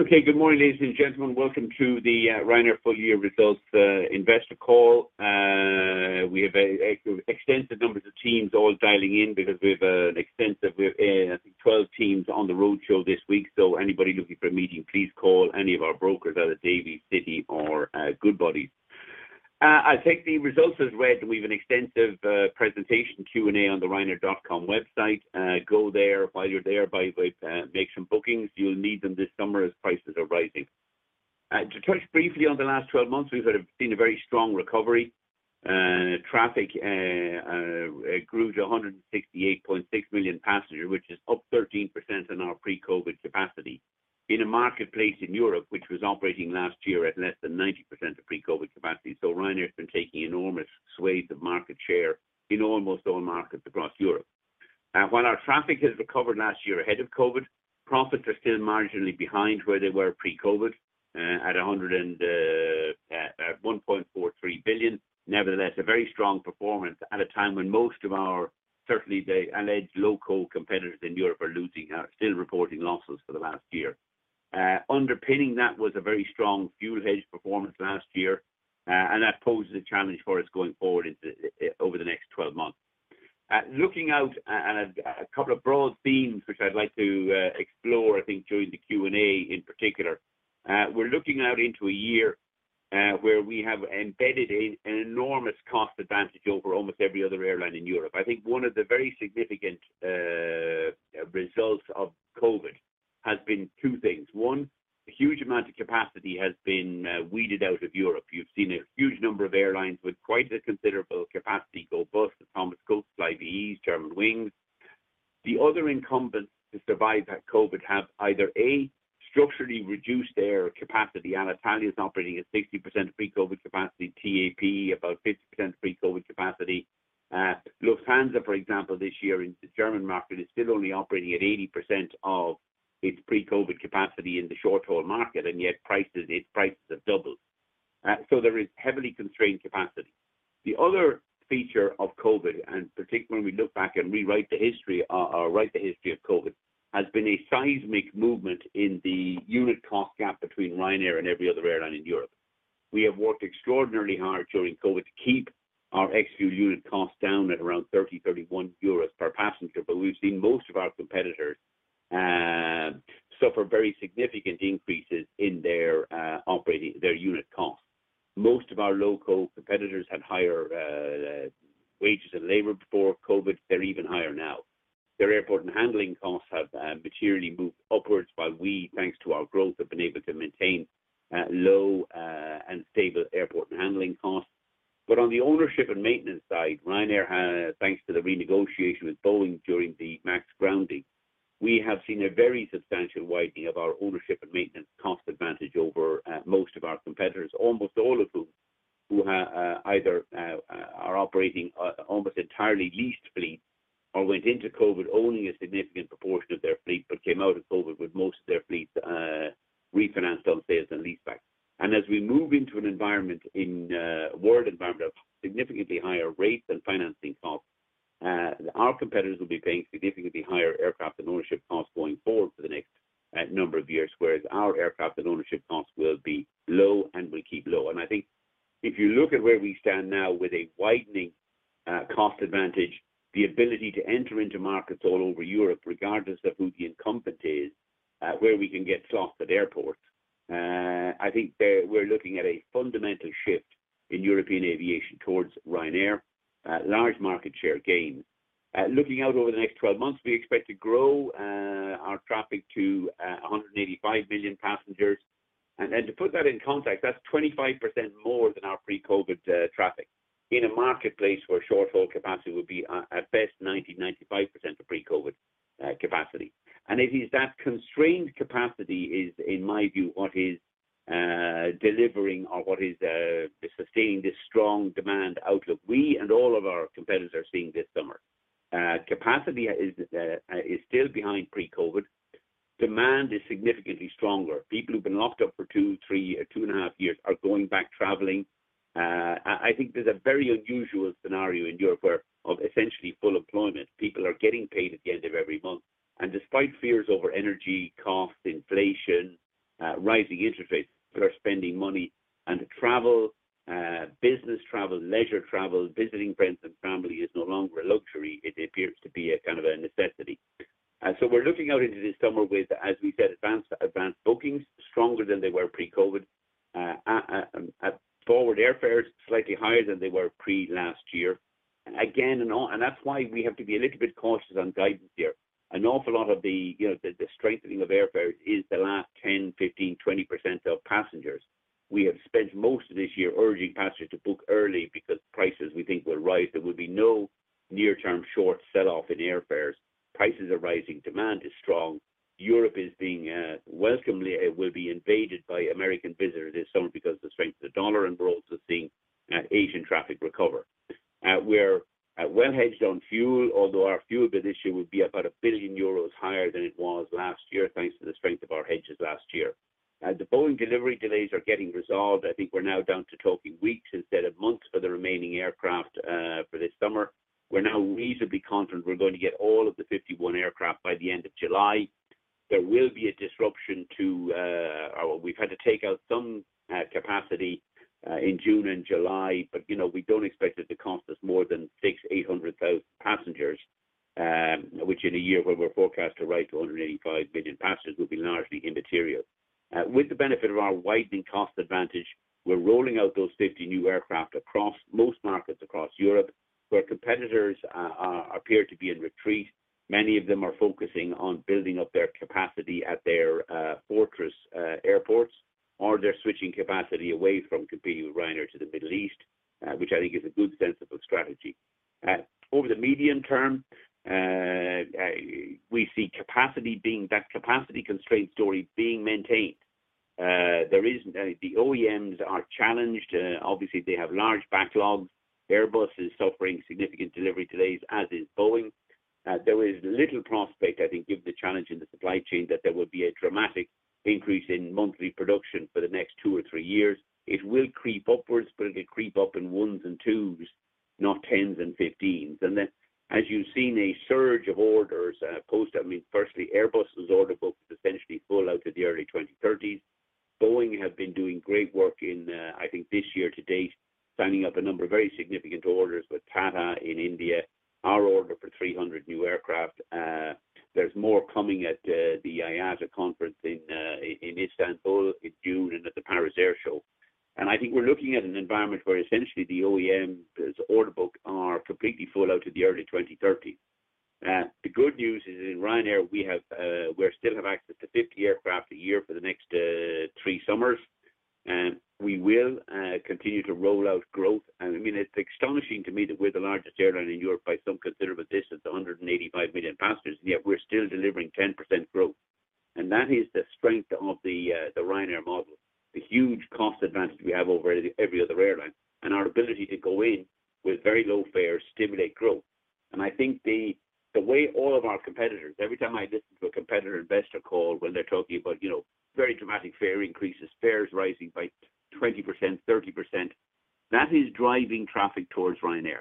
Okay. Good morning, ladies and gentlemen. Welcome to the Ryanair full year results investor call. We have extensive numbers of teams all dialing in because we have an extensive 12 teams on the road show this week. Anybody looking for a meeting, please call any of our brokers out of Davy, Citi or Goodbody. I take the results as read. We have an extensive presentation Q&A on the ryanair.com website. Go there. While you're there, by the way, make some bookings. You'll need them this summer as prices are rising. To touch briefly on the last 12 months, we've seen a very strong recovery. Traffic grew to 168.6 million passengers, which is up 13% on our pre-COVID capacity in a marketplace in Europe, which was operating last year at less than 90% of pre-COVID capacity. Ryanair has been taking enormous swathes of market share in almost all markets across Europe. While our traffic has recovered last year ahead of COVID, profits are still marginally behind where they were pre-COVID, at 1.43 billion. Nevertheless, a very strong performance at a time when most of our certainly the low-cost competitors in Europe are losing, are still reporting losses for the last year. Underpinning that was a very strong fuel hedge performance last year, and that poses a challenge for us going forward over the next 12 months. Looking out at a couple of broad themes, which I'd like to explore, I think during the Q&A in particular. We're looking out into a year, where we have embedded in an enormous cost advantage over almost every other airline in Europe. I think one of the very significant results of COVID has been two things. One, a huge amount of capacity has been weeded out of Europe. You've seen a huge number of airlines with quite a considerable capacity go bust. Thomas Cook, Flybe, Germanwings. The other incumbents to survive that COVID have either, A, structurally reduced their capacity. Alitalia is operating at 60% of pre-COVID capacity. TAP about 50% pre-COVID capacity. Lufthansa, for example, this year in the German market, is still only operating at 80% of its pre-COVID capacity in the short-haul market. Yet prices, its prices have doubled. There is heavily constrained capacity. The other feature of COVID, and particularly when we look back and rewrite the history or write the history of COVID, has been a seismic movement in the unit cost gap between Ryanair and every other airline in Europe. We have worked extraordinarily hard during COVID to keep our execute unit costs down at around 30-31 euros per passenger. We've seen most of our competitors suffer very significant increases in their operating, their unit costs. Most of our local competitors had higher wages and labor before COVID. They're even higher now. Their airport and handling costs have materially moved upwards, while we, thanks to our growth, have been able to maintain low and stable airport and handling costs. On the ownership and maintenance side, Ryanair has, thanks to the renegotiation with Boeing during the MAX grounding, we have seen a very substantial widening of our ownership and maintenance cost advantage over most of our competitors. Almost all of whom, who either are operating almost entirely leased fleets or went into COVID owning a significant proportion of their fleet, but came out of COVID with most of their fleet refinanced on sales and leaseback. As we move into an environment in world environment of significantly higher rates and financing costs, our competitors will be paying significantly higher aircraft and ownership costs going forward for the next number of years, whereas our aircraft and ownership costs will be low and will keep low. I think if you look at where we stand now with a widening cost advantage, the ability to enter into markets all over Europe, regardless of who the incumbent is, where we can get slots at airports, I think there we're looking at a fundamental shift in European aviation towards Ryanair, large market share gains. Looking out over the next 12 months, we expect to grow our traffic to 185 million passengers. To put that in context, that's 25% more than our pre-COVID traffic in a marketplace where short-haul capacity would be at best 90%-95% of pre-COVID capacity. It is that constrained capacity is, in my view, what is delivering or what is sustaining this strong demand outlook we and all of our competitors are seeing this summer. Capacity is still behind pre-COVID. Demand is significantly stronger. People who've been locked up for two, three, two and a half years are going back traveling. I think there's a very unusual scenario in Europe where of essentially full employment, people are getting paid at the end of every month. Despite fears over energy costs, inflation, rising interest rates, people are spending money and travel, business travel, leisure travel, visiting friends and family is no longer a luxury. It appears to be a kind of a necessity. We're looking out into this summer with, as we said, advanced bookings stronger than they were pre-COVID. Forward airfares slightly higher than they were pre last year. Again, that's why we have to be a little bit cautious on guidance here. An awful lot of the, you know, the strengthening of airfares is the last 10, 15, 20% of passengers. We have spent most of this year urging passengers to book early because prices we think will rise. There will be no near-term short sell-off in airfares. Prices are rising. Demand is strong. Europe is being welcomely will be invaded by American visitors this summer because the strength of the dollar. We're also seeing Asian traffic recover. We're well hedged on fuel, although our fuel bill this year will be about 1 billion euros higher than it was last year, thanks to the strength of our hedges last year. The Boeing delivery delays are getting resolved. I think we're now down to talking weeks instead of months for the remaining aircraft for this summer. We're now reasonably confident we're going to get all of the 51 aircraft by the end of July. There will be a disruption to or we've had to take out some capacity in June and July. You know, we don't expect it to cost us more than 600,000-800,000 passengers, which in a year where we're forecast to rise to 185 million passengers will be largely immaterial. With the benefit of our widening cost advantage, we're rolling out those 50 new aircraft across most markets across Europe, where competitors appear to be in retreat. Many of them are focusing on building up their capacity at their fortress airports, or they're switching capacity away from competing with Ryanair to the Middle East, which I think is a good sensible strategy. Over the medium term, we see capacity being that capacity constraint story being maintained. There isn't. The OEMs are challenged. Obviously they have large backlogs. Airbus is suffering significant delivery delays, as is Boeing. There is little prospect, I think, given the challenge in the supply chain, that there will be a dramatic increase in monthly production for the next two or three years. It will creep upwards, but it'll creep up in ones and twos, not tens and fifteens. As you've seen a surge of orders, firstly, Airbus's order book is essentially full out to the early 2030s. Boeing have been doing great work in, I think this year to date, signing up a number of very significant orders with Tata in India. Our order for 300 new aircraft. There's more coming at the IATA conference in Istanbul in June and at the Paris Air Show. I think we're looking at an environment where essentially the OEM's order book are completely full out to the early 2030. The good news is in Ryanair, we have we still have access to 50 aircraft a year for the next three summers, we will continue to roll out growth. I mean, it's astonishing to me that we're the largest airline in Europe by some considerable distance, 185 million passengers, and yet we're still delivering 10% growth. That is the strength of the Ryanair model, the huge cost advantage we have over every other airline and our ability to go in with very low fares, stimulate growth. I think the way all of our competitors, every time I listen to a competitor investor call when they're talking about, you know, very dramatic fare increases, fares rising by 20%, 30%, that is driving traffic towards Ryanair.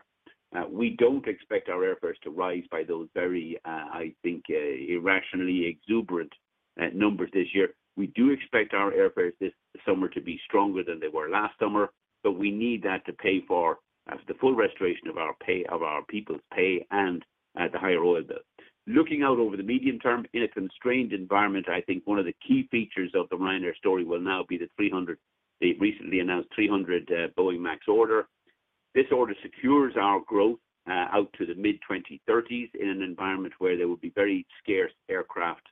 We don't expect our airfares to rise by those very, I think, irrationally exuberant numbers this year. We do expect our airfares this summer to be stronger than they were last summer, but we need that to pay for the full restoration of our people's pay and the higher oil bill. Looking out over the medium term in a constrained environment, I think one of the key features of the Ryanair story will now be the recently announced 300 Boeing MAX order. This order secures our growth out to the mid-2030s in an environment where there will be very scarce aircraft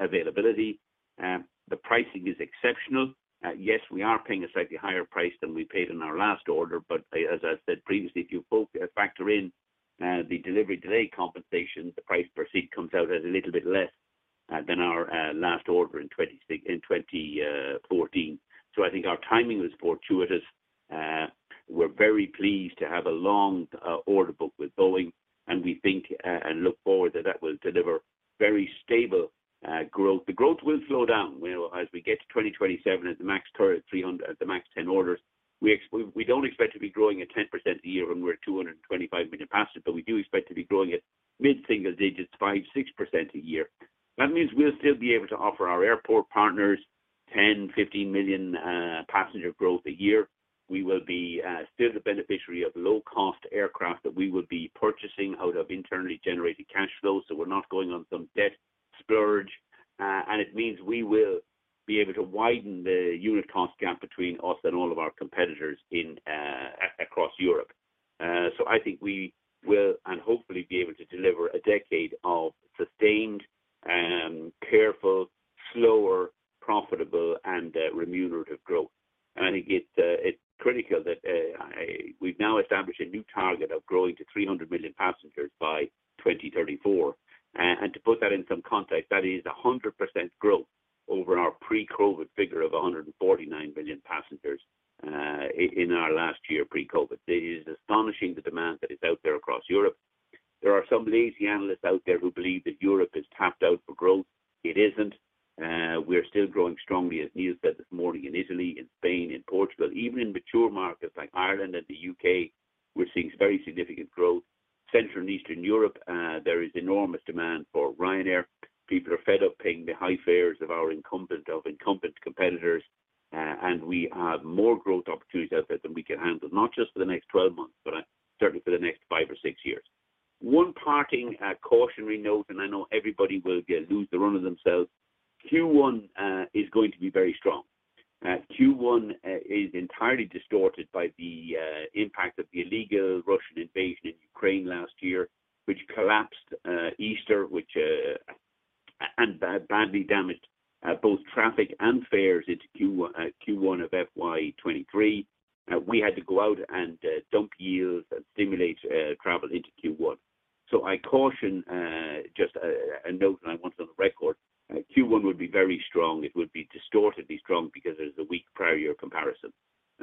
availability. The pricing is exceptional. Yes, we are paying a slightly higher price than we paid in our last order, but as I said previously, if you factor in the delivery delay compensation, the price per seat comes out as a little bit less than our last order in 2014. I think our timing was fortuitous. We're very pleased to have a long order book with Boeing, and we think and look forward that that will deliver very stable growth. The growth will slow down well as we get to 2027 as the MAX 300, the MAX-10 orders. We don't expect to be growing at 10% a year when we're at 225 million passengers, but we do expect to be growing at mid-single digits, 5%, 6% a year. That means we'll still be able to offer our airport partners 10-15 million passenger growth a year. We will be still the beneficiary of low-cost aircraft that we will be purchasing out of internally generated cash flows. We're not going on some debt splurge. It means we will be able to widen the unit cost gap between us and all of our competitors across Europe. I think we will and hopefully be able to deliver a decade of sustained, careful, slower, profitable, and remunerative growth. I think it's critical that we've now established a new target of growing to 300 million passengers by 2034. To put that in some context, that is 100% growth over our pre-COVID figure of 149 million passengers in our last year pre-COVID. It is astonishing the demand that is out there across Europe. There are some lazy analysts out there who believe that Europe is tapped out for growth. It isn't. We're still growing strongly, as Neil said this morning, in Italy, in Spain, in Portugal. Even in mature markets like Ireland and the U.K., we're seeing very significant growth. Central and Eastern Europe, there is enormous demand for Ryanair. People are fed up paying the high fares of our incumbent competitors. We have more growth opportunities out there than we can handle, not just for the next 12 months, but certainly for the next five or six years. One parting cautionary note, I know everybody will lose the run of themselves. Q1 is going to be very strong. Q1 is entirely distorted by the impact of the illegal Russian invasion in Ukraine last year, which collapsed Easter, which badly damaged both traffic and fares into Q1 of FY23. We had to go out and dump yields and stimulate travel into Q1. I caution just a note that I want on the record. Q1 would be very strong. It would be distortedly strong because there's a weak prior year comparison.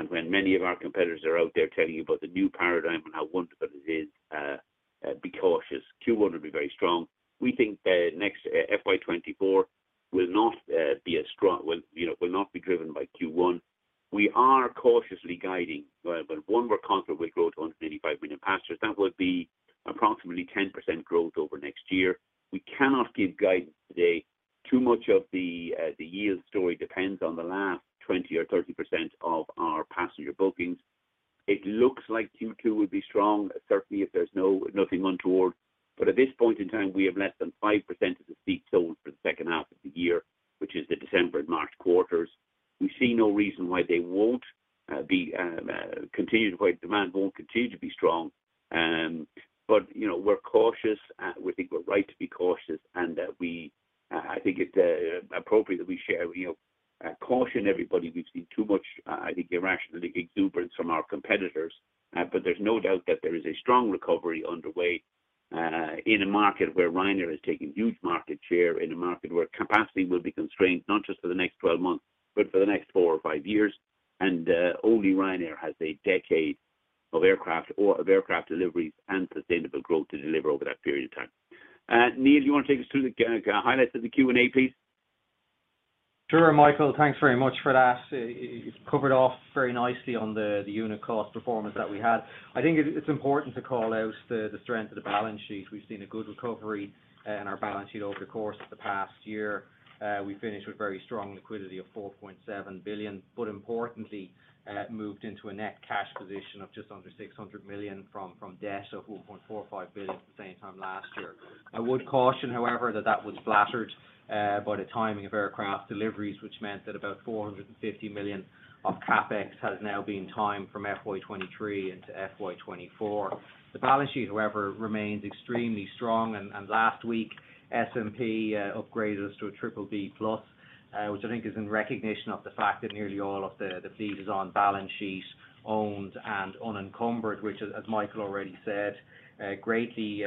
When many of our competitors are out there telling you about the new paradigm and how wonderful it is, be cautious. Q1 will be very strong. We think next FY24 will not be as strong, will not be driven by Q1. We are cautiously guiding. If one were confident with growth on to 85 million passengers, that would be approximately 10% growth over next year. We cannot give guidance today. Too much of the yield story depends on the last 20% or 30% of our passenger bookings. It looks like Q2 will be strong, certainly if there's nothing untoward. At this point in time, we have less than 5% of the seats sold for the second half of the year, which is the December and March quarters. We see no reason why demand won't continue to be strong. You know, we're cautious, we think we're right to be cautious and that I think it's appropriate that we share, you know, caution everybody. We've seen too much, I think, irrational exuberance from our competitors. There's no doubt that there is a strong recovery underway, in a market where Ryanair is taking huge market share, in a market where capacity will be constrained not just for the next 12 months, but for the next four or five years. Only Ryanair has a decade of aircraft or of aircraft deliveries and sustainable growth to deliver over that period of time. Neil, you want to take us through the highlights of the Q&A, please? Sure, Michael, thanks very much for that. It's covered off very nicely on the unit cost performance that we had. I think it's important to call out the strength of the balance sheet. We've seen a good recovery in our balance sheet over the course of the past year. We finished with very strong liquidity of 4.7 billion. Importantly, moved into a net cash position of just under 600 million from debt of 4.45 billion at the same time last year. I would caution, however, that that was flattered by the timing of aircraft deliveries, which meant that about 450 million of CapEx has now been timed from FY23 into FY24. The balance sheet, however, remains extremely strong. Last week, S&P upgraded us to a BBB+, which I think is in recognition of the fact that nearly all of the fleet is on balance sheet owned and unencumbered, which as Michael already said, greatly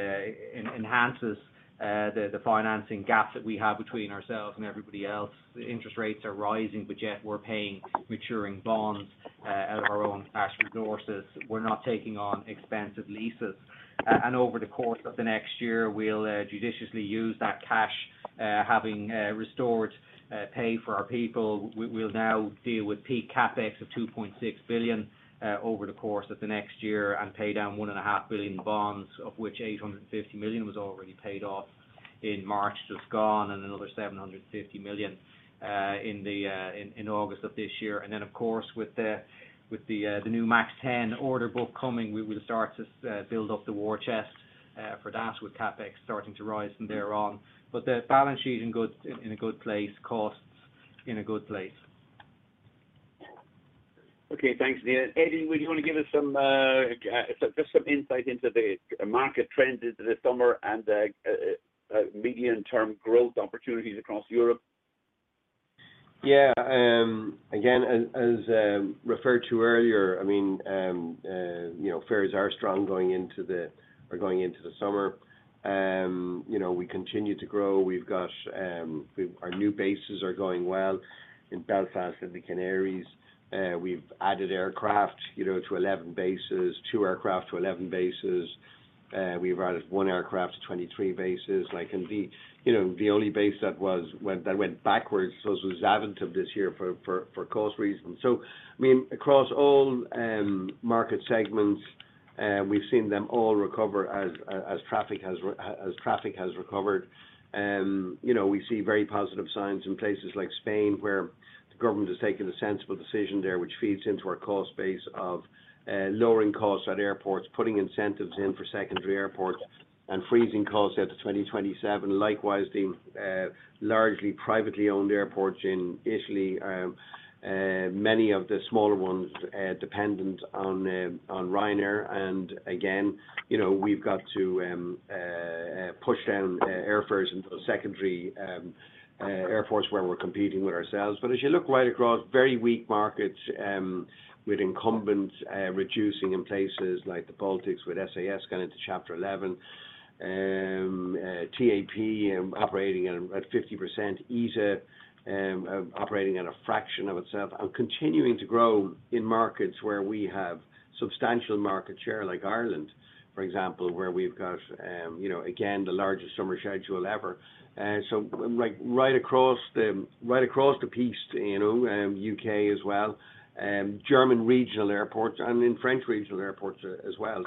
enhances the financing gap that we have between ourselves and everybody else. Interest rates are rising, yet we're paying maturing bonds out of our own cash resources. We're not taking on expensive leases. Over the course of the next year, we'll judiciously use that cash, having restored pay for our people. We'll now deal with peak CapEx of 2.6 billion over the course of the next year and pay down one and a half billion bonds, of which 850 million was already paid off in March just gone and another 750 million in August of this year. Then, of course, with the new MAX-10 order book coming, we will start to build up the war chest for that with CapEx starting to rise from there on. The balance sheet in a good place, costs in a good place. Okay, thanks, Neil. Eddie, would you want to give us some insight into the market trends into the summer and medium-term growth opportunities across Europe? Yeah. Again, as referred to earlier, fares are strong going into the summer. We continue to grow. We've got our new bases are going well in Belfast and the Canaries. We've added aircraft to 11 bases, two aircraft to 11 bases. We've added one aircraft to 23 bases. The only base that went backwards was Zaventem this year for cost reasons. Across all market segments, we've seen them all recover as traffic has recovered. You know, we see very positive signs in places like Spain, where the government has taken a sensible decision there, which feeds into our cost base of lowering costs at airports, putting incentives in for secondary airports and freezing costs out to 2027. Likewise, the largely privately owned airports in Italy, many of the smaller ones dependent on Ryanair. Again, you know, we've got to push down airfares into the secondary airfares where we're competing with ourselves. As you look right across very weak markets, with incumbents reducing in places like the Baltics with SAS going into Chapter 11, TAP operating at 50%, EASA operating at a fraction of itself and continuing to grow in markets where we have substantial market share, like Ireland, for example, where we've got, you know, again, the largest summer schedule ever. Like, right across the piece, you know, U.K. as well, German regional airports and in French regional airports as well.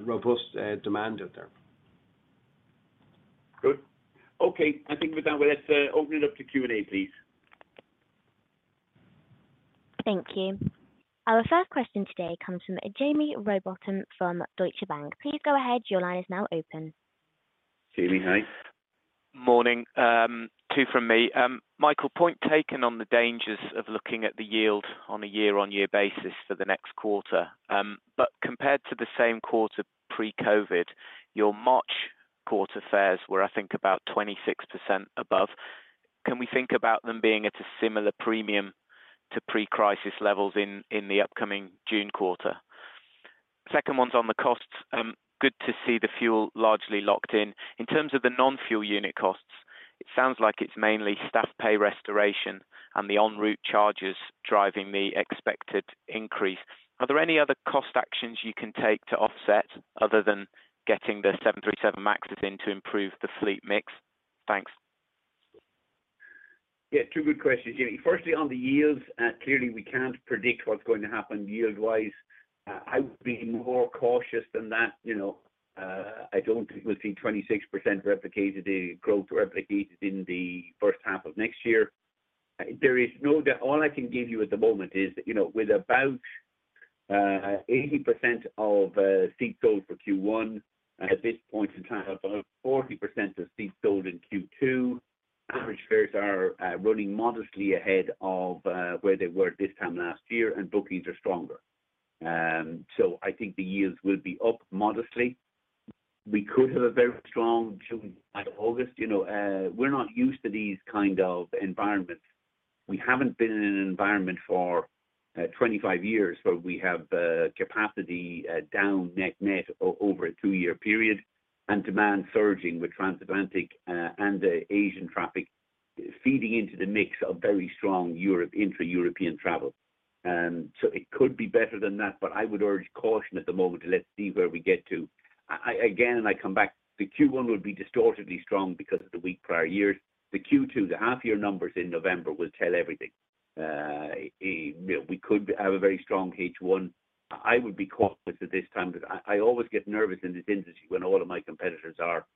Robust demand out there. Good. Okay. I think with that, we'll just open it up to Q&A, please. Thank you. Our first question today comes from Jaime Rowbotham from Deutsche Bank. Please go ahead. Your line is now open. Jaime, hi. Morning. Two from me. Michael, point taken on the dangers of looking at the yield on a year-on-year basis for the next quarter. Compared to the same quarter pre-COVID, your March quarter fares were, I think, about 26% above. Can we think about them being at a similar premium to pre-crisis levels in the upcoming June quarter? Second one's on the costs. Good to see the fuel largely locked in. In terms of the non-fuel unit costs, it sounds like it's mainly staff pay restoration and the en route charges driving the expected increase. Are there any other cost actions you can take to offset other than getting the 737 MAXes in to improve the fleet mix? Thanks. Yeah, two good questions, Jaime. Firstly, on the yields, clearly we can't predict what's going to happen yield wise. I would be more cautious than that, you know. I don't think we'll see 26% growth replicated in the first half of next year. There is no doubt. All I can give you at the moment is, you know, with about 80% of seats sold for Q1 at this point in time, about 40% of seats sold in Q2. Average fares are running modestly ahead of where they were this time last year, and bookings are stronger. I think the yields will be up modestly. We could have a very strong June, August. You know, we're not used to these kind of environments. We haven't been in an environment for 25 years where we have capacity down net-net over a two-year period, and demand surging with transatlantic and Asian traffic feeding into the mix of very strong intra-European travel. It could be better than that, but I would urge caution at the moment. Let's see where we get to. Again, I come back to Q1 would be distortedly strong because of the weak prior years. The Q2, the half year numbers in November will tell everything. You know, we could have a very strong H1. I would be cautious at this time because I always get nervous in this industry when all of my competitors are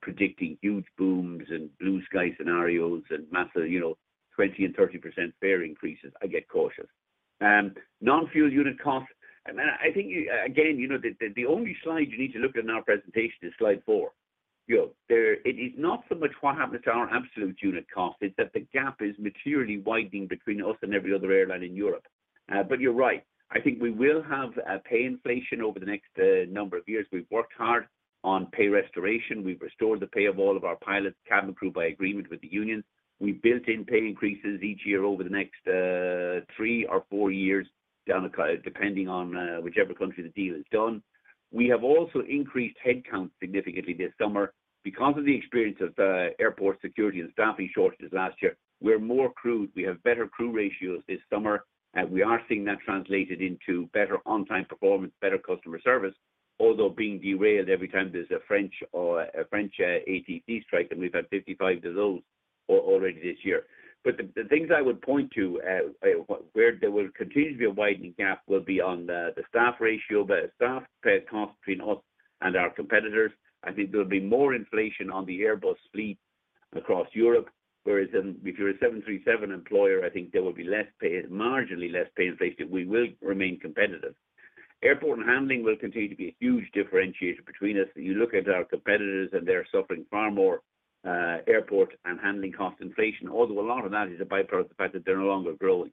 predicting huge booms and blue sky scenarios and massive, you know, 20% and 30% fare increases. I get cautious. Non-fuel unit costs. I think again, you know, the only slide you need to look at in our presentation is slide four. It is not so much what happens to our absolute unit cost, it's that the gap is materially widening between us and every other airline in Europe. You're right. I think we will have pay inflation over the next number of years. We've worked hard on pay restoration. We've restored the pay of all of our pilots, cabin crew by agreement with the unions. We built in pay increases each year over the next three or four years depending on whichever country the deal is done. We have also increased headcount significantly this summer. Because of the experience of airport security and staffing shortages last year, we're more crewed, we have better crew ratios this summer, and we are seeing that translated into better on-time performance, better customer service. Although being derailed every time there's a French or a French ATC strike, and we've had 55 of those already this year. The things I would point to where there will continue to be a widening gap will be on the staff ratio. The staff pay cost between us and our competitors. I think there'll be more inflation on the Airbus fleet across Europe, whereas if you're a 737 employer, I think there will be less pay, marginally less pay inflation. We will remain competitive. Airport and handling will continue to be a huge differentiator between us. You look at our competitors, and they're suffering far more, airport and handling cost inflation, although a lot of that is a byproduct of the fact that they're no longer growing.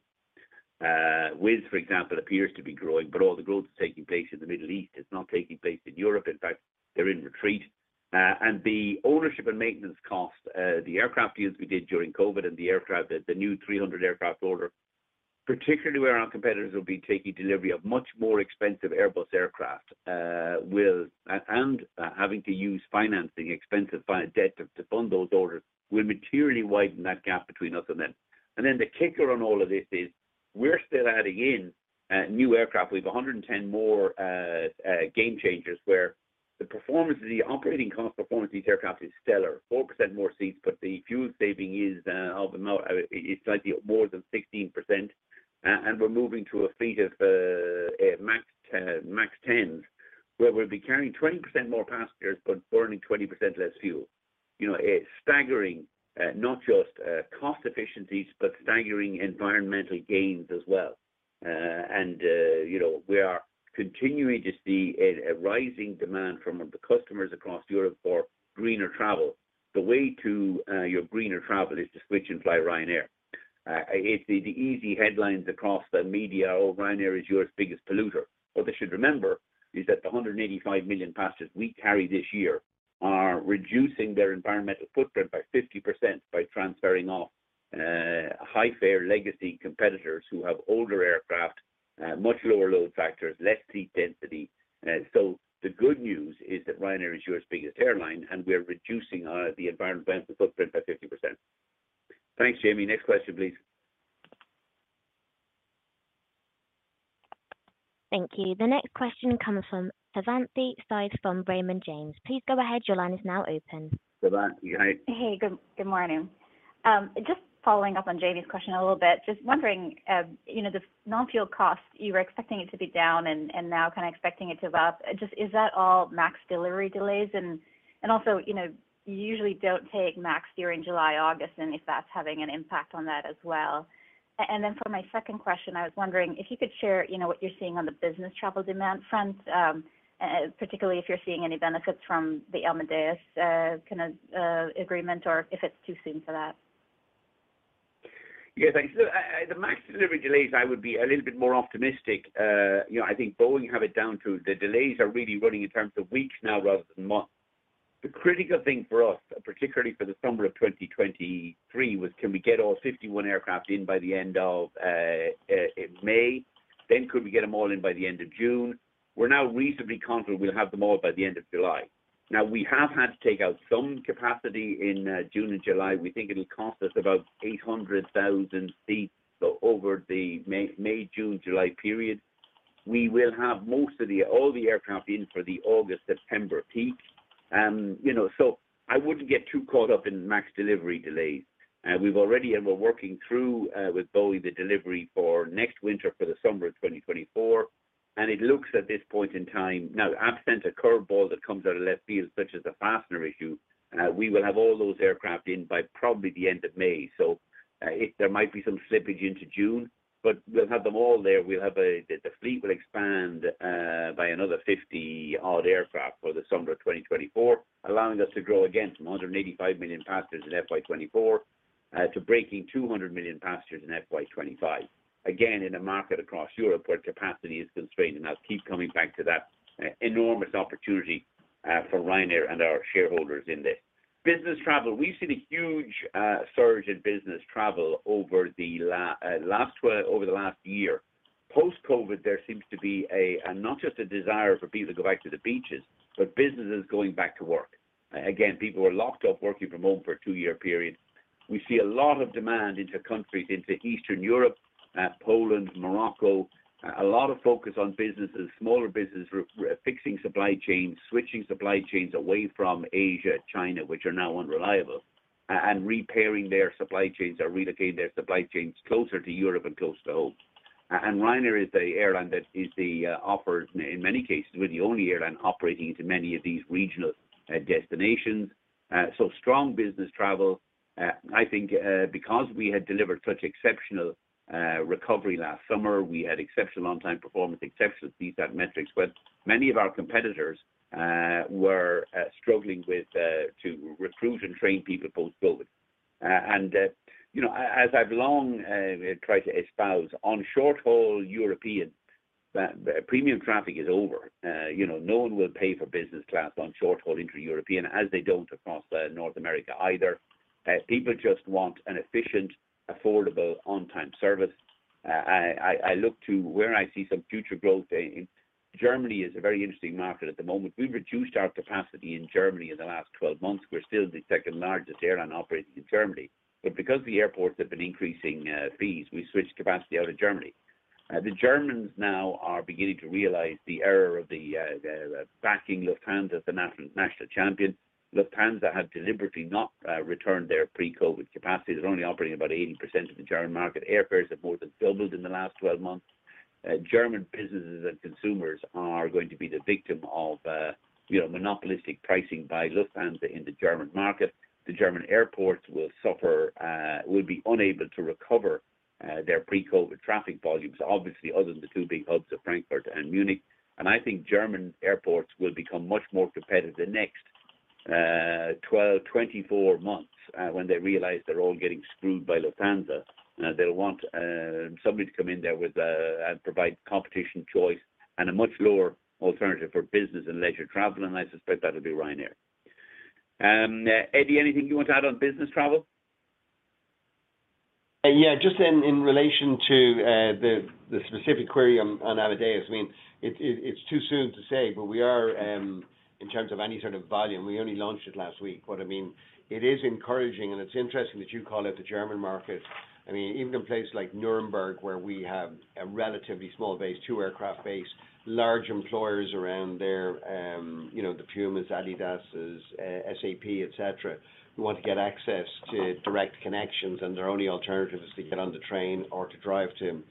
Wizz, for example, appears to be growing, but all the growth is taking place in the Middle East. It's not taking place in Europe. In fact, they're in retreat. The ownership and maintenance cost, the aircraft deals we did during COVID and the aircraft, the new 300 aircraft order, particularly where our competitors will be taking delivery of much more expensive Airbus aircraft, and having to use financing expensive via debt to fund those orders will materially widen that gap between us and them. The kicker on all of this is we're still adding in new aircraft. We've 110 more game changers where the performance of the operating cost performance of these aircraft is stellar. 4% more seats, the fuel saving is slightly more than 16%. We're moving to a fleet of MAX-10s, where we'll be carrying 20% more passengers, burning 20% less fuel. You know, a staggering, not just cost efficiencies, staggering environmental gains as well. You know, we are continuing to see a rising demand from the customers across Europe for greener travel. The way to your greener travel is to switch and fly Ryanair. It's the easy headlines across the media. Ryanair is Europe's biggest polluter. What they should remember is that the 185 million passengers we carry this year are reducing their environmental footprint by 50% by transferring off high fare legacy competitors who have older aircraft, much lower load factors, less seat density. The good news is that Ryanair is Europe's biggest airline, and we're reducing the environmental footprint by 50%. Thanks, Jaime. Next question, please. Thank you. The next question comes from Savanthi Syth from Raymond James. Please go ahead. Your line is now open. Savanthi, hi. Hey. Good morning. Just following up on Jaime's question a little bit. Just wondering, you know, the non-fuel cost, you were expecting it to be down and now kind of expecting it to go up. Just is that all MAX delivery delays? Also, you know, you usually don't take MAX during July, August, and if that's having an impact on that as well. Then for my second question, I was wondering if you could share, you know, what you're seeing on the business travel demand front, particularly if you're seeing any benefits from the Amadeus kind of agreement or if it's too soon for that. Thanks. The MAX delivery delays, I would be a little bit more optimistic. You know, I think Boeing have it down to the delays are really running in terms of weeks now rather than months. The critical thing for us, particularly for the summer of 2023, was can we get all 51 aircraft in by the end of May? Could we get them all in by the end of June? We're now reasonably confident we'll have them all by the end of July. We have had to take out some capacity in June and July. We think it'll cost us about 800,000 seats over the May, June, July period. We will have all the aircraft in for the August-September peak. You know, I wouldn't get too caught up in MAX delivery delays. We've already and we're working through with Boeing the delivery for next winter for the summer of 2024. It looks at this point in time... Now, absent a curveball that comes out of left field, such as the fastener issue, we will have all those aircraft in by probably the end of May. There might be some slippage into June, but we'll have them all there. The fleet will expand by another 50-odd aircraft for the summer of 2024, allowing us to grow again from 185 million passengers in FY24 to breaking 200 million passengers in FY25. Again, in a market across Europe where capacity is constrained, and I'll keep coming back to that, enormous opportunity for Ryanair and our shareholders in this. Business travel. We've seen a huge surge in business travel over the last year. Post-COVID, there seems to be a not just a desire for people to go back to the beaches, but businesses going back to work. Again, people were locked up working from home for a two-year period. We see a lot of demand into countries into Eastern Europe, Poland, Morocco. A lot of focus on businesses, smaller businesses refixing supply chains, switching supply chains away from Asia, China, which are now unreliable, and repairing their supply chains or relocating their supply chains closer to Europe and close to home. Ryanair is the airline that is the offered in many cases. We're the only airline operating into many of these regional destinations. Strong business travel. I think because we had delivered such exceptional recovery last summer, we had exceptional on-time performance, exceptional feed that metrics. Many of our competitors were struggling with to recruit and train people post-COVID. You know, as I've long tried to espouse on short-haul European, the premium traffic is over. You know, no one will pay for business class on short-haul intra-European as they don't across North America either. People just want an efficient, affordable, on-time service. I look to where I see some future growth. Germany is a very interesting market at the moment. We reduced our capacity in Germany in the last 12 months. We're still the second-largest airline operating in Germany. Because the airports have been increasing fees, we switched capacity out of Germany. The Germans now are beginning to realize the error of the backing Lufthansa, the national champion. Lufthansa had deliberately not returned their pre-COVID capacity. They're only operating about 80% of the German market. Airfares have more than doubled in the last 12 months. German businesses and consumers are going to be the victim of, you know, monopolistic pricing by Lufthansa in the German market. The German airports will suffer, will be unable to recover their pre-COVID traffic volumes, obviously, other than the two big hubs of Frankfurt and Munich. I think German airports will become much more competitive the next 12, 24 months when they realize they're all getting screwed by Lufthansa. They'll want somebody to come in there with and provide competition, choice, and a much lower alternative for business and leisure travel, and I suspect that'll be Ryanair. Eddie, anything you want to add on business travel? Yeah, just in relation to the specific query on Amadeus. I mean, it's too soon to say, but we are in terms of any sort of volume, we only launched it last week. I mean, it is encouraging, and it's interesting that you call out the German market. I mean, even in places like Nuremberg, where we have a relatively small base, two aircraft base, large employers around there, you know, the Puma, Adidas, SAP, et cetera, who want to get access to direct connections, and their only alternative is to get on the train or to drive to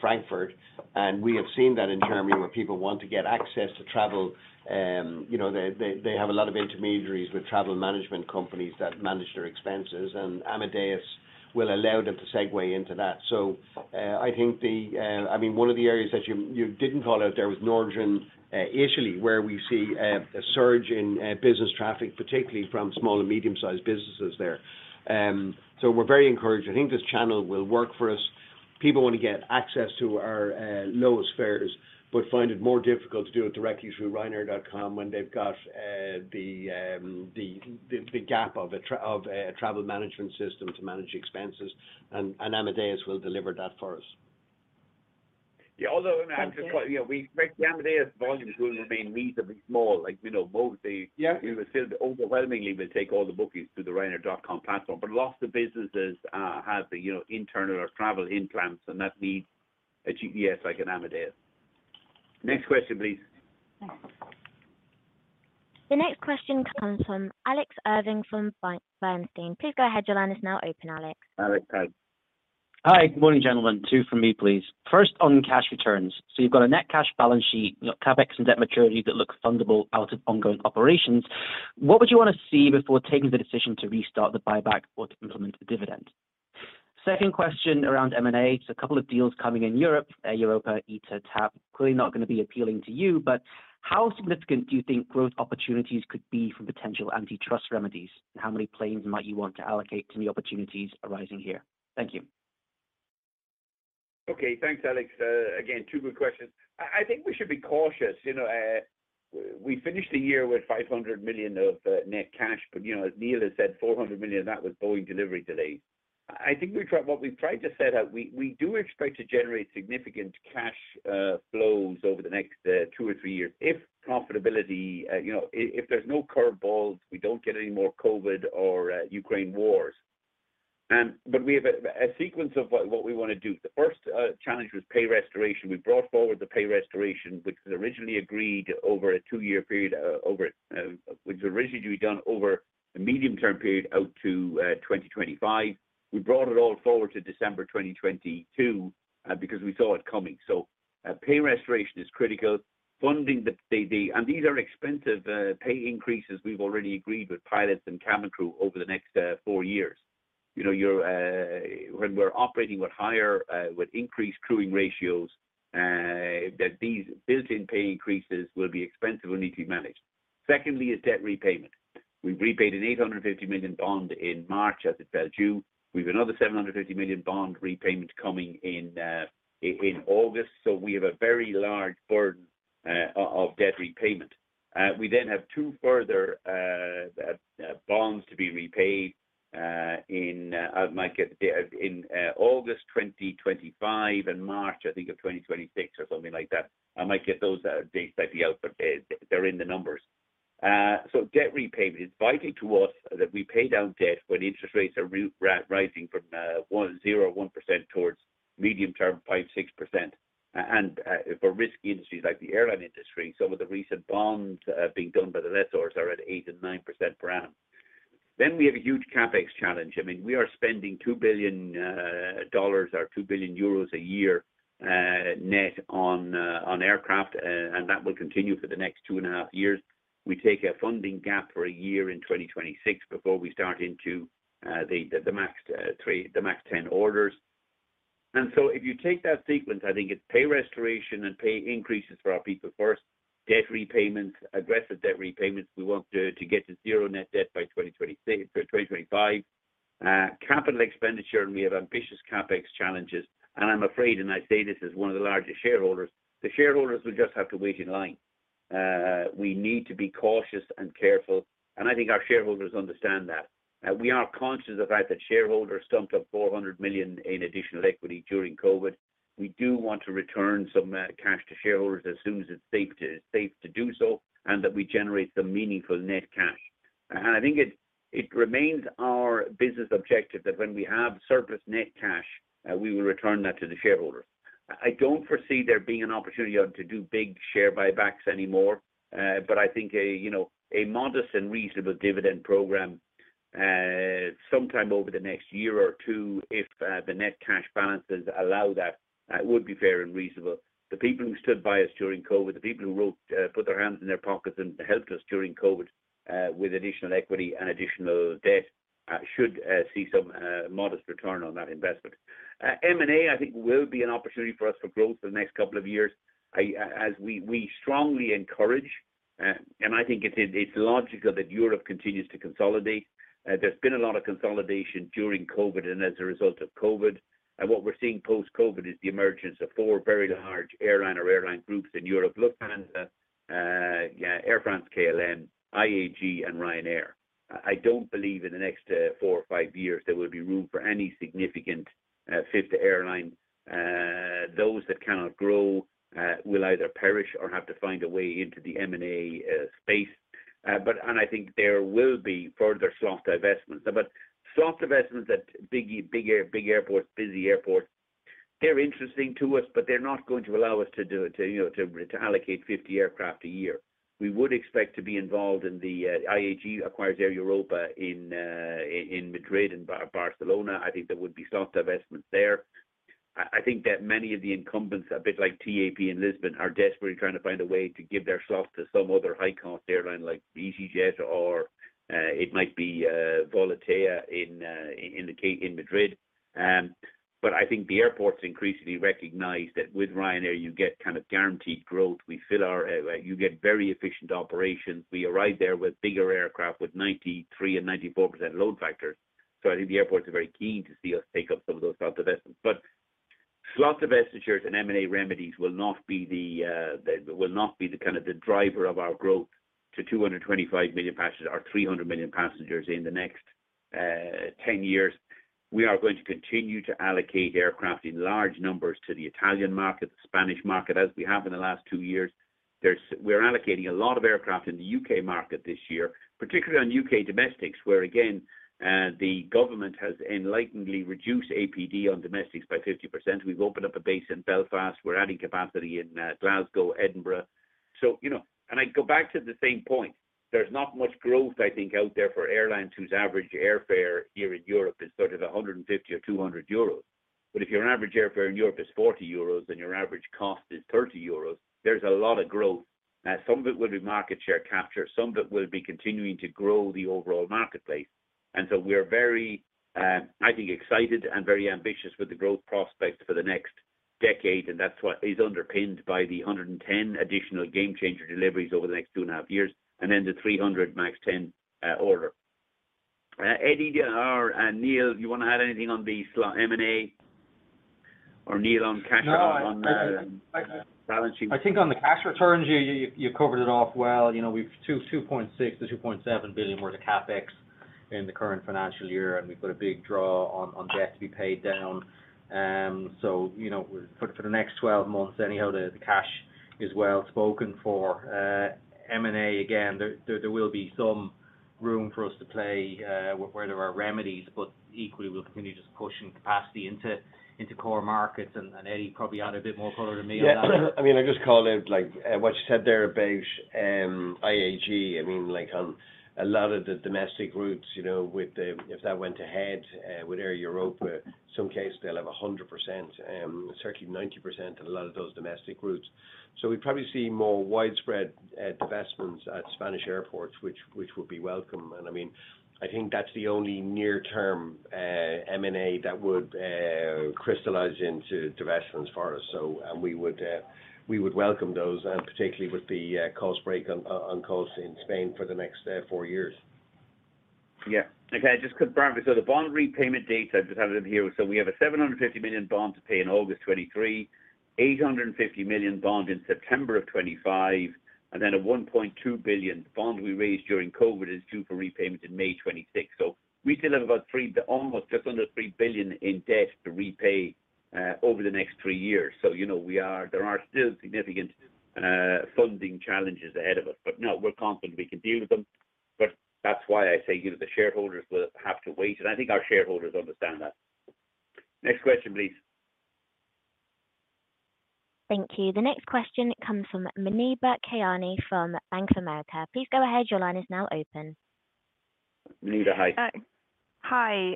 Frankfurt. We have seen that in Germany, where people want to get access to travel. You know, they have a lot of intermediaries with travel management companies that manage their expenses, and Amadeus will allow them to segue into that. I mean, one of the areas that you didn't call out there was northern Italy, where we see a surge in business traffic, particularly from small and medium-sized businesses there. We're very encouraged. I think this channel will work for us. People want to get access to our lowest fares, but find it more difficult to do it directly through ryanair.com when they've got the gap of a travel management system to manage expenses. Amadeus will deliver that for us. Yeah. I mean, I'll just call you. The Amadeus volumes will remain reasonably small. Like, we know mostly... Yeah. We will still overwhelmingly take all the bookings through the ryanair.com platform. Lots of businesses have the, you know, internal or travel implants, and that needs a GDS like an Amadeus. Next question, please. The next question comes from Alex Irving from Bernstein. Please go ahead. Your line is now open, Alex. Alex, hi. Hi. Good morning, gentlemen. Two from me, please. First, on cash returns. You've got a net cash balance sheet, you know, CapEx and debt maturity that looks fundable out of ongoing operations. What would you want to see before taking the decision to restart the buyback or to implement the dividend? Second question around M&A. There's a couple of deals coming in Europe, Air Europa, ITA, TAP. Clearly not gonna be appealing to you, but how significant do you think growth opportunities could be from potential antitrust remedies? How many planes might you want to allocate to the opportunities arising here? Thank you. Okay. Thanks, Alex. Again, two good questions. I think we should be cautious. You know, we finished the year with 500 million of net cash. You know, as Neil has said, 400 million of that was Boeing delivery delays. I think what we've tried to set out, we do expect to generate significant cash flows over the next two or three years. If profitability, you know, if there's no curveballs, we don't get any more COVID or Ukraine wars. We have a sequence of what we want to do. The first challenge was pay restoration. We brought forward the pay restoration, which was originally agreed over a two-year period, which was originally to be done over a medium-term period out to 2025. We brought it all forward to December 2022 because we saw it coming. Pay restoration is critical. Funding these are expensive pay increases we've already agreed with pilots and cabin crew over the next four years. You know, when we're operating with higher with increased crewing ratios, that these built-in pay increases will be expensive and need to be managed. Secondly is debt repayment. We repaid an 850 million bond in March, as it fell due. We have another 750 million bond repayment coming in August. We have a very large burden of debt repayment. We have two further bonds to be repaid in August 2025 and March, I think, of 2026 or something like that. I might get those dates slightly out, but they're in the numbers. Debt repayment, it's vital to us that we pay down debt when interest rates are rising from zero one % towards medium term 5-6%. For risky industries like the airline industry, some of the recent bonds being done by the lessors are at 8% and 9% per annum. We have a huge CapEx challenge. I mean, we are spending $2 billion or 2 billion euros a year net on aircraft, and that will continue for the next two and a half years. We take a funding gap for a year in 2026 before we start into the MAX-10 orders. If you take that sequence, I think it's pay restoration and pay increases for our people first. Debt repayment, aggressive debt repayments. We want to get to zero net debt by 2025. Capital expenditure, and we have ambitious CapEx challenges. I'm afraid, and I say this as one of the largest shareholders, the shareholders will just have to wait in line. We need to be cautious and careful, and I think our shareholders understand that. Now, we are conscious of the fact that shareholders stumped up 400 million in additional equity during COVID. We do want to return some cash to shareholders as soon as it's safe to do so, and that we generate some meaningful net cash. I think it remains our business objective that when we have surplus net cash, we will return that to the shareholders. I don't foresee there being an opportunity to do big share buybacks anymore. I think a, you know, a modest and reasonable dividend program, sometime over the next year or two, if the net cash balances allow that, would be fair and reasonable. The people who stood by us during COVID, the people who put their hands in their pockets and helped us during COVID, with additional equity and additional debt, should see some modest return on that investment. M&A, I think will be an opportunity for us for growth for the next couple of years. As we strongly encourage, and I think it's logical that Europe continues to consolidate. There's been a lot of consolidation during COVID and as a result of COVID. What we're seeing post-COVID is the emergence of four very large airline or airline groups in Europe: Lufthansa, Air France KLM, IAG, and Ryanair. I don't believe in the next four or five years there will be room for any significant fifth airline. Those that cannot grow, will either perish or have to find a way into the M&A space. I think there will be further slot divestments. Slot divestments at big airports, busy airports, they're interesting to us, but they're not going to allow us to do, you know, to allocate 50 aircraft a year. We would expect to be involved in the IAG acquires Air Europa in Madrid and Barcelona. I think there would be slot divestments there. I think that many of the incumbents, a bit like TAP in Lisbon, are desperately trying to find a way to give their slot to some other high-cost airline like easyJet, or it might be Volotea in Madrid. I think the airports increasingly recognize that with Ryanair, you get kind of guaranteed growth. We fill our. You get very efficient operations. We arrive there with bigger aircraft with 93% and 94% load factors. I think the airports are very keen to see us take up some of those slot divestments. Slot divestitures and M&A remedies will not be the kind of the driver of our growth to 225 million passengers or 300 million passengers in the next 10 years. We are going to continue to allocate aircraft in large numbers to the Italian market, the Spanish market, as we have in the last two years. We're allocating a lot of aircraft in the U.K. market this year, particularly on U.K. domestics, where again, the government has enlightenedly reduced APD on domestics by 50%. We've opened up a base in Belfast. We're adding capacity in Glasgow, Edinburgh. You know, I go back to the same point. There's not much growth, I think, out there for airlines whose average airfare here in Europe is sort of 150 or 200 euros. If your average airfare in Europe is 40 euros and your average cost is 30 euros, there's a lot of growth. Some of it will be market share capture, some of it will be continuing to grow the overall marketplace. We are very, I think, excited and very ambitious with the growth prospects for the next decade. That's what is underpinned by the 110 additional gamechanger deliveries over the next 2.5 years, and then the 300 MAX-10 order. Eddie or Neil, do you want to add anything on the slot M&A? Or Neil on cash or on balance sheet? No. I think on the cash returns, you covered it off well. You know, we've 2.6 billion-2.7 billion worth of CapEx in the current financial year, and we've got a big draw on debt to be paid down. You know, for the next 12 months anyhow, the cash Is well spoken for. M&A again, there will be some room for us to play, where there are remedies, but equally we'll continue just pushing capacity into core markets. Eddie probably add a bit more color to me on that. I mean, I just call out like what you said there about IAG. I mean, like on a lot of the domestic routes, you know, with if that went ahead with Air Europa, some case they'll have 100%, certainly 90% in a lot of those domestic routes. We probably see more widespread divestments at Spanish airports, which will be welcome. I mean, I think that's the only near term M&A that would crystallize into divestments for us. We would welcome those particularly with the cost break on cost in Spain for the next four years. Okay, just quickly. The bond repayment date I just have it in here. We have a 750 million bond to pay in August 2023, 850 million bond in September 2025, and then a 1.2 billion bond we raised during COVID is due for repayment in May 2026. We still have about almost just under 3 billion in debt to repay over the next three years. You know, there are still significant funding challenges ahead of us. No, we're confident we can deal with them. That's why I say, you know, the shareholders will have to wait, and I think our shareholders understand that. Next question, please. Thank you. The next question comes from Muneeba Kayani from Bank of America. Please go ahead. Your line is now open. Muneeba, hi. Hi.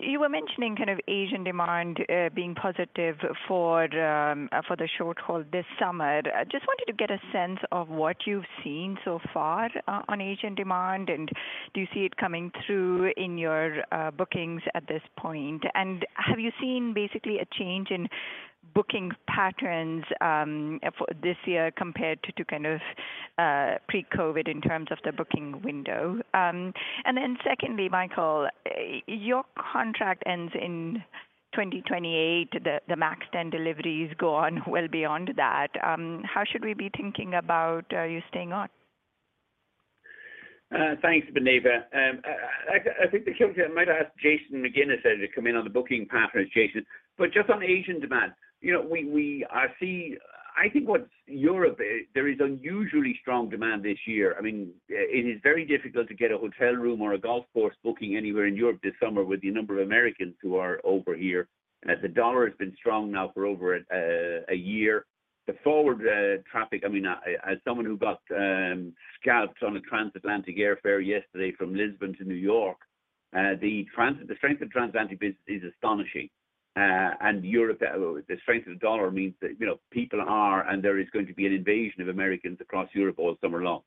You were mentioning kind of Asian demand, being positive for the short haul this summer. Just wanted to get a sense of what you've seen so far on Asian demand. Do you see it coming through in your bookings at this point? Have you seen basically a change in booking patterns for this year compared to kind of pre-COVID in terms of the booking window? Then secondly, Michael, your contract ends in 2028. The MAX-10 deliveries go on well beyond that. How should we be thinking about you staying on? Thanks, Muneeba. I think I might ask Jason McGuinness to come in on the booking patterns, Jason. But just on Asian demand, you know, we are seeing, I think there is unusually strong demand this year. I mean, it is very difficult to get a hotel room or a golf course booking anywhere in Europe this summer with the number of Americans who are over here, as the dollar has been strong now for over one year. The forward traffic... I mean, as someone who got scalped on a transatlantic airfare yesterday from Lisbon to New York, the strength of transatlantic business is astonishing. The strength of the dollar means that, you know, people are and there is going to be an invasion of Americans across Europe all summer long.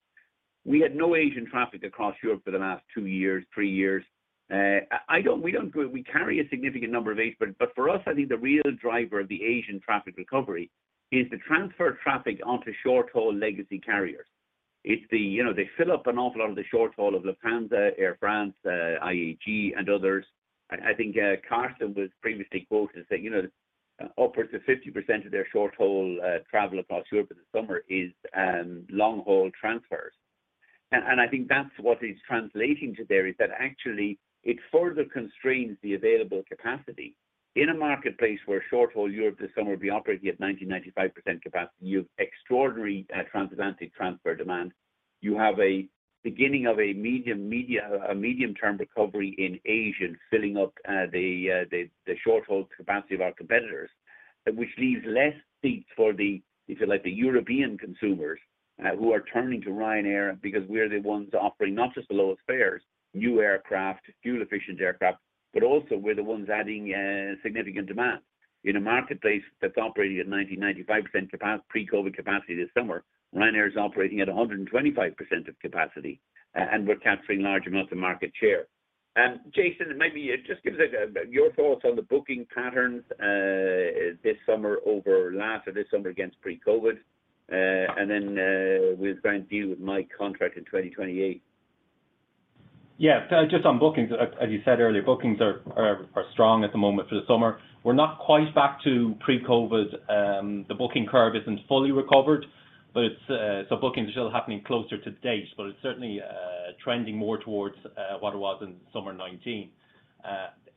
We had no Asian traffic across Europe for the last two years, three years. We carry a significant number of Asians. For us, I think the real driver of the Asian traffic recovery is the transfer traffic onto short-haul legacy carriers. You know, they fill up an awful lot of the short haul of Lufthansa, Air France, IAG and others. I think Carsten was previously quoted as saying, you know, upwards of 50% of their short-haul travel across Europe this summer is long-haul transfers. I think that's what is translating to there, is that actually it further constrains the available capacity. In a marketplace where short-haul Europe this summer will be operating at 90%-95% capacity, you have extraordinary transatlantic transfer demand. You have a beginning of a medium, a medium-term recovery in Asia filling up the short-haul capacity of our competitors, which leaves less seats for the, if you like, the European consumers, who are turning to Ryanair because we're the ones offering not just the lowest fares, new aircraft, fuel efficient aircraft, but also we're the ones adding significant demand. In a marketplace that's operating at 90-95% pre-COVID capacity this summer, Ryanair is operating at 125% of capacity, and we're capturing large amounts of market share. Jason, maybe just give us your thoughts on the booking patterns this summer over last or this summer against pre-COVID. We'll go and deal with my contract in 2028. Just on bookings, as you said earlier, bookings are strong at the moment for the summer. We're not quite back to pre-COVID. The booking curve isn't fully recovered. Booking is still happening closer to the date, but it's certainly trending more towards what it was in summer 2019.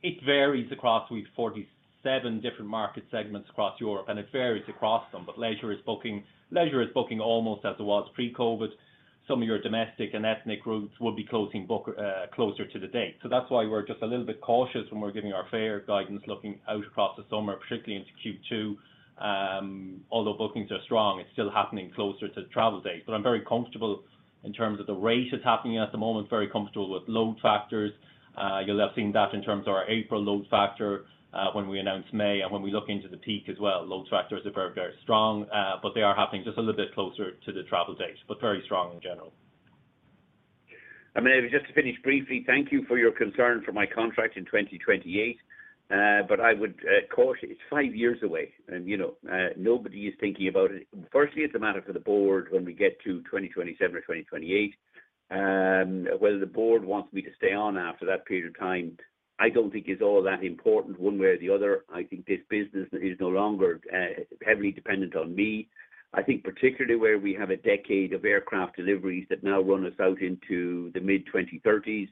It varies across with 47 different market segments across Europe. It varies across them. Leisure is booking almost as it was pre-COVID. Some of your domestic and ethnic routes will be booking closer to the date. That's why we're just a little bit cautious when we're giving our fare guidance looking out across the summer, particularly into Q2. Although bookings are strong, it's still happening closer to travel date. I'm very comfortable in terms of the rate it's happening at the moment, very comfortable with load factors. You'll have seen that in terms of our April load factor, when we announce May and when we look into the peak as well. Load factors are very, very strong, but they are happening just a little bit closer to the travel date, but very strong in general. Maybe just to finish briefly, thank you for your concern for my contract in 2028. I would caution it's five years away and, you know, nobody is thinking about it. Firstly, it's a matter for the board when we get to 2027 or 2028. Whether the board wants me to stay on after that period of time, I don't think is all that important one way or the other. I think this business is no longer heavily dependent on me. I think particularly where we have a decade of aircraft deliveries that now run us out into the mid 2030s.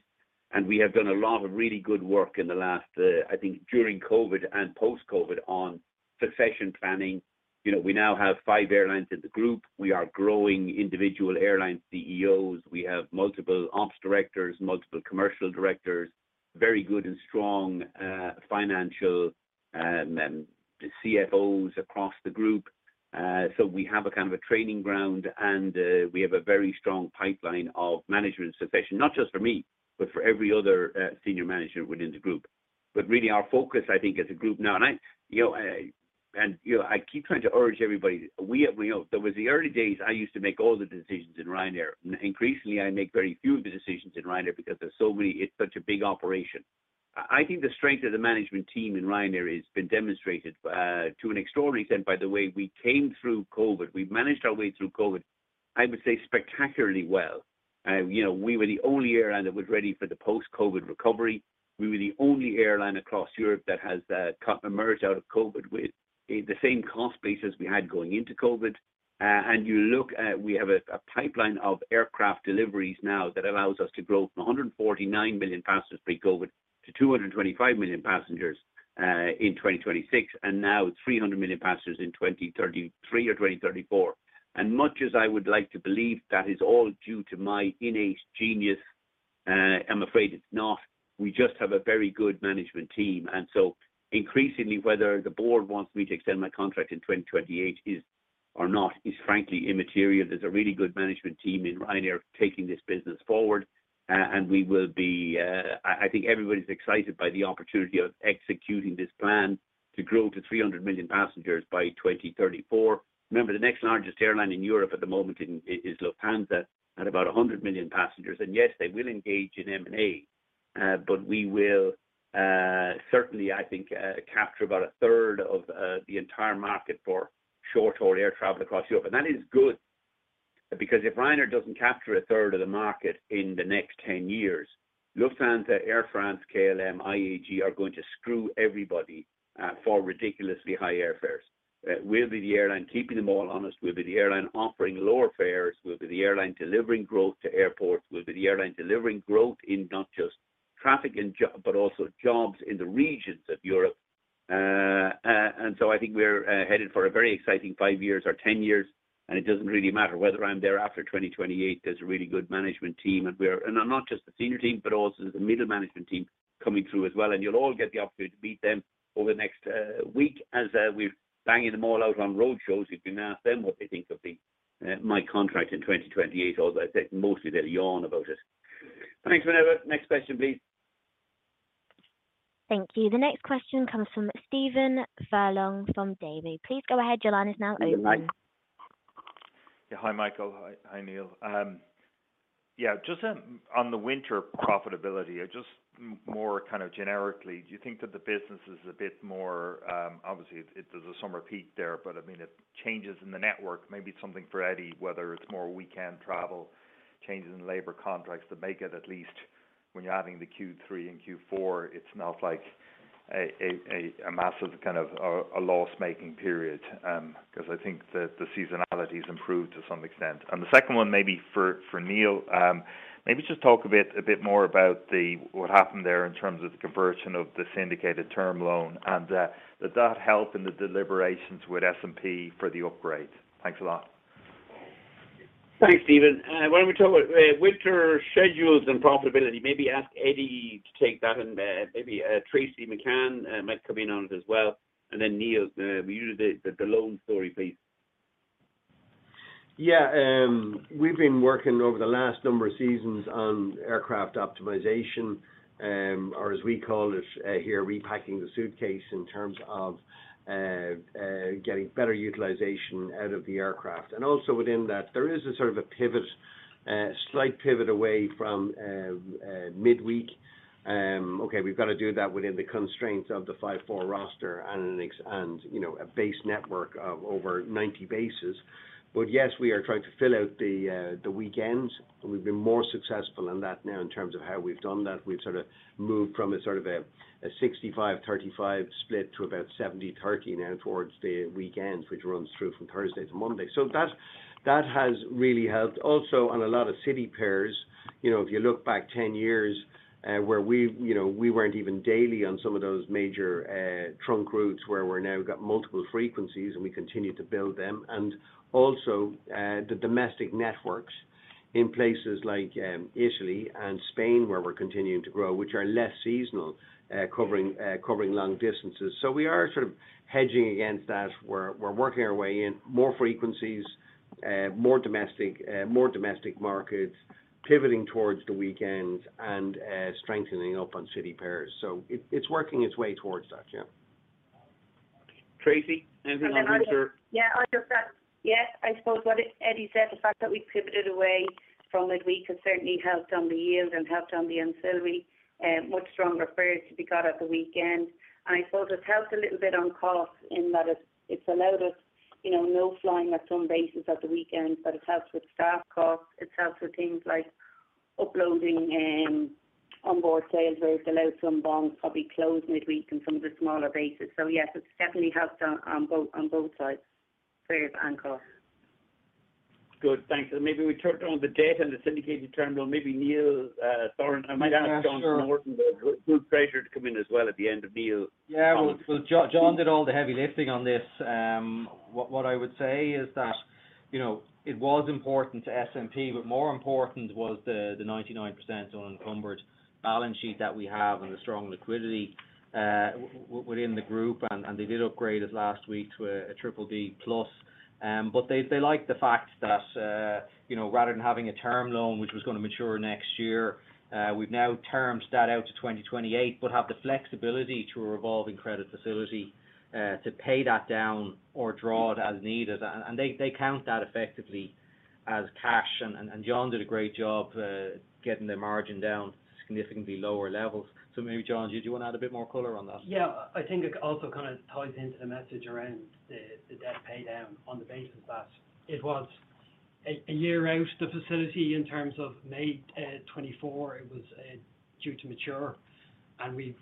We have done a lot of really good work in the last, I think during COVID and post-COVID on succession planning. You know, we now have five airlines in the group. We are growing individual airlines CEOs. We have multiple ops directors, multiple commercial directors, very good and strong financial CFOs across the group. We have a kind of a training ground, we have a very strong pipeline of management succession, not just for me, but for every other senior manager within the group. Really our focus, I think, as a group now, I keep trying to urge everybody. We know there was the early days, I used to make all the decisions in Ryanair, and increasingly, I make very few of the decisions in Ryanair because there's so many. It's such a big operation. I think the strength of the management team in Ryanair has been demonstrated to an extraordinary extent by the way we came through COVID. We've managed our way through COVID, I would say spectacularly well. You know, we were the only airline that was ready for the post-COVID recovery. We were the only airline across Europe that has emerged out of COVID with the same cost base as we had going into COVID. We have a pipeline of aircraft deliveries now that allows us to grow from 149 million passengers pre-COVID to 225 million passengers in 2026, and now 300 million passengers in 2033 or 2034. Much as I would like to believe that is all due to my innate genius, I'm afraid it's not. We just have a very good management team. Increasingly, whether the board wants me to extend my contract in 2028 is or not is frankly immaterial. There's a really good management team in Ryanair taking this business forward, and we will be. I think everybody's excited by the opportunity of executing this plan to grow to 300 million passengers by 2034. Remember, the next largest airline in Europe at the moment is Lufthansa at about 100 million passengers. Yes, they will engage in M&A, but we will certainly, I think, capture about a third of the entire market for short-haul air travel across Europe. That is good because if Ryanair doesn't capture a third of the market in the next 10 years, Lufthansa, Air France, KLM, IAG are going to screw everybody for ridiculously high airfares. We'll be the airline keeping them all honest. We'll be the airline offering lower fares. We'll be the airline delivering growth to airports. We'll be the airline delivering growth in not just traffic but also jobs in the regions of Europe. I think we're headed for a very exciting five years or 10 years, and it doesn't really matter whether I'm there after 2028. There's a really good management team, and we're not just the senior team, but also the middle management team coming through as well. You'll all get the opportunity to meet them over the next week as we're banging them all out on roadshows. You can ask them what they think of my contract in 2028, although I'd say mostly they'll yawn about it. Thanks, whatever. Next question, please. Thank you. The next question comes from Stephen Furlong from Davy. Please go ahead. Your line is now open. Hi, Michael. Hi, Neil. just on the winter profitability or just more kind of generically, do you think that the business is a bit more? Obviously, there's a summer peak there, but, I mean, it changes in the network. Maybe something for Eddie, whether it's more weekend travel, changes in labor contracts that make it at least when you're adding the Q3 and Q4, it's not like a massive kind of a loss-making period, 'cause I think the seasonality has improved to some extent. The second one maybe for Neil, maybe just talk a bit more about the what happened there in terms of the conversion of the syndicated term loan, and did that help in the deliberations with S&P for the upgrade? Thanks a lot. Thanks, Stephen. Why don't we talk about winter schedules and profitability? Maybe ask Eddie to take that and maybe Tracey McCann might come in on it as well. Neil, will you do the loan story, please? Yeah. We've been working over the last number of seasons on aircraft optimization, or as we call it here, repacking the suitcase in terms of getting better utilization out of the aircraft. Also, within that, there is a sort of a pivot, slight pivot away from midweek. Okay, we've got to do that within the constraints of the five-four roster and, you know, a base network of over 90 bases. Yes, we are trying to fill out the weekends. We've been more successful in that now in terms of how we've done that. We've sort of moved from a sort of a 65-35 split to about 70/30 now towards the weekends, which runs through from Thursday to Monday. That has really helped. On a lot of city pairs, you know, if you look back 10 years, where we, you know, we weren't even daily on some of those major trunk routes where we're now got multiple frequencies, and we continue to build them. The domestic networks in places like Italy and Spain, where we're continuing to grow, which are less seasonal, covering long distances. We are sort of hedging against that. We're working our way in more frequencies, more domestic, more domestic markets, pivoting towards the weekends and strengthening up on city pairs. It's working its way towards that. Yeah. Tracey, anything on winter? I'll just add. I suppose what Eddie said, the fact that we pivoted away from midweek has certainly helped on the yield and helped on the ancillary, much stronger fares that we got at the weekend. I suppose it's helped a little bit on cost in that it's allowed us, you know, no flying at some bases at the weekends, but it helps with staff costs. It helps with things like uploading, onboard sales where it's allowed some bonds probably closed midweek in some of the smaller bases. Yes, it's definitely helped on both sides, fares and cost. Good. Thanks. Maybe we turned on the debt and the syndicated term loan. Maybe Neil Sorahan, I might ask John Norton, the group treasurer to come in as well at the end of Neil's comments. Yeah. Well, John did all the heavy lifting on this. What I would say is that, you know, it was important to S&P, but more important was the 99% unencumbered balance sheet that we have and the strong liquidity within the group. They did upgrade us last week to a BBB+. They like the fact that, you know, rather than having a term loan, which was gonna mature next year, we've now termed that out to 2028, but have the flexibility through a revolving credit facility to pay that down or draw it as needed. They count that effectively as cash. John did a great job getting their margin down to significantly lower levels. Maybe, John, do you want to add a bit more color on that? Yeah. I think it also kind of ties into the message around the debt pay down on the basis that it was a year out, the facility in terms of May 2024, it was due to mature.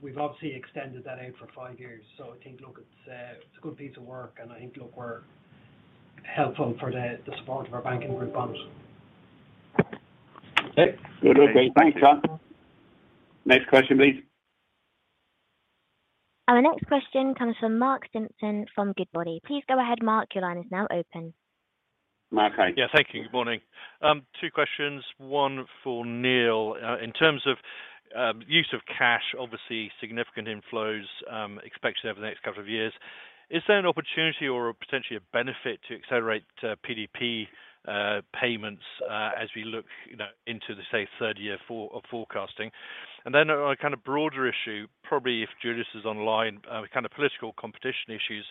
We've obviously extended that out for five years. I think, look, it's a good piece of work, and I think, look, we're helpful for the support of our banking group. Okay. Good. Okay. Thanks, John. Next question, please. Our next question comes from Mark Simpson from Goodbody. Please go ahead, Mark. Your line is now open. Mark, hi. Yeah, thank you. Good morning. Two questions, one for Neil. In terms of use of cash, obviously significant inflows expected over the next couple of years. Is there an opportunity or potentially a benefit to accelerate PDP payments as we look, you know, into the, say, third year of forecasting? Then on a kind of broader issue, probably if Juliusz is online, kind of political competition issues.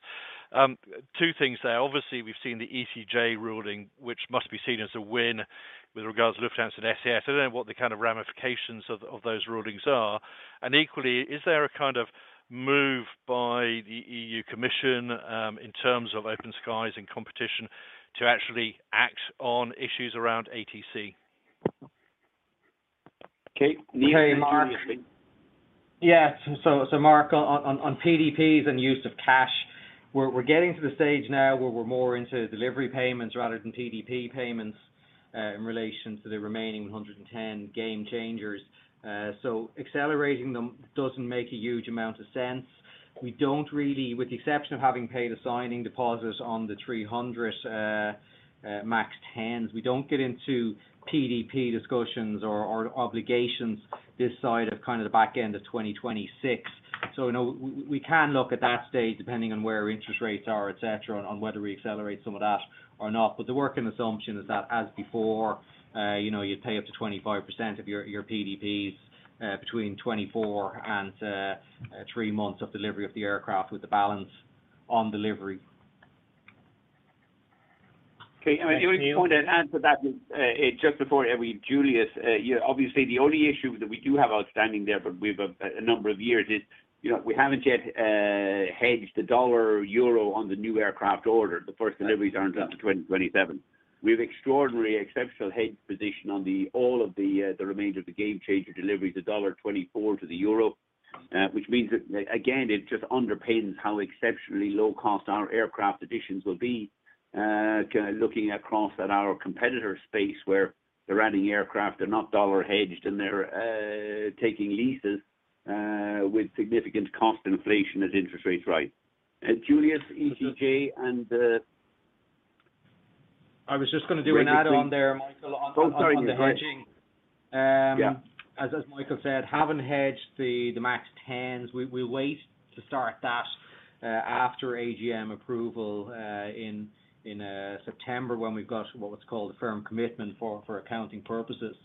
Two things there. Obviously, we've seen the ECJ ruling, which must be seen as a win with regards to Lufthansa and SAS. I don't know what the kind of ramifications of those rulings are. Equally, is there a kind of move by the EU Commission in terms of open skies and competition to actually act on issues around ATC? Okay. Neil. Hey, Mark. Yeah. So Mark, on PDPs and use of cash, we're getting to the stage now where we're more into delivery payments rather than PDP payments, in relation to the remaining 110 Gamechangers. Accelerating them doesn't make a huge amount of sense. We don't really, with the exception of having paid assigning deposits on the 300 MAX-10s, we don't get into PDP discussions or obligations this side of kind of the back end of 2026. You know, we can look at that stage, depending on where interest rates are, et cetera, on whether we accelerate some of that or not. The working assumption is that as before, you know, you'd pay up to 25% of your PDPs, between 24 and, three months of delivery of the aircraft with the balance on delivery. Okay. The only point I'd add to that is, just before I bring Juliusz, you know, obviously the only issue that we do have outstanding there, but with a number of years is, you know, we haven't yet hedged the dollar euro on the new aircraft order. The first deliveries aren't until 2027. We have extraordinary exceptional hedge position on all of the remainder of the gamechanger deliveries, the $1.24 to the EUR, which means that again, it just underpins how exceptionally low cost our aircraft additions will be, kinda looking across at our competitor space where they're adding aircraft, they're not dollar hedged, and they're taking leases with significant cost inflation as interest rates rise. Juliusz, ECJ and... I was just gonna do an add-on there, Michael, on the. Oh, sorry. Go ahead. On the hedging. Yeah. As Michael said, haven't hedged the MAX-10s. We wait to start that after AGM approval in September when we've got what's called a firm commitment for accounting purposes.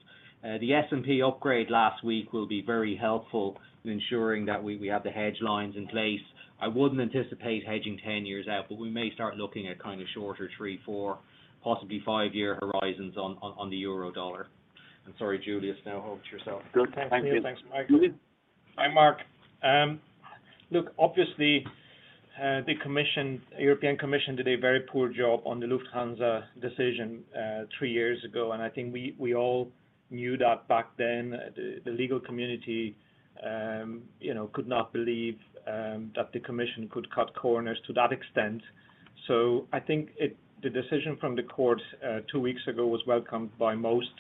The S&P upgrade last week will be very helpful in ensuring that we have the hedge lines in place. I wouldn't anticipate hedging 10 years out, but we may start looking at kind of shorter three, four, possibly five-year horizons on the euro dollar. I'm sorry, Juliusz, now over to yourself. Good. Thank you. Thanks, Michael. Juliusz. Hi, Mark. Look, obviously, the European Commission did a very poor job on the Lufthansa decision, three years ago. I think we all knew that back then. The legal community, you know, could not believe that the commission could cut corners to that extent. I think the decision from the court, two weeks ago was welcomed by most,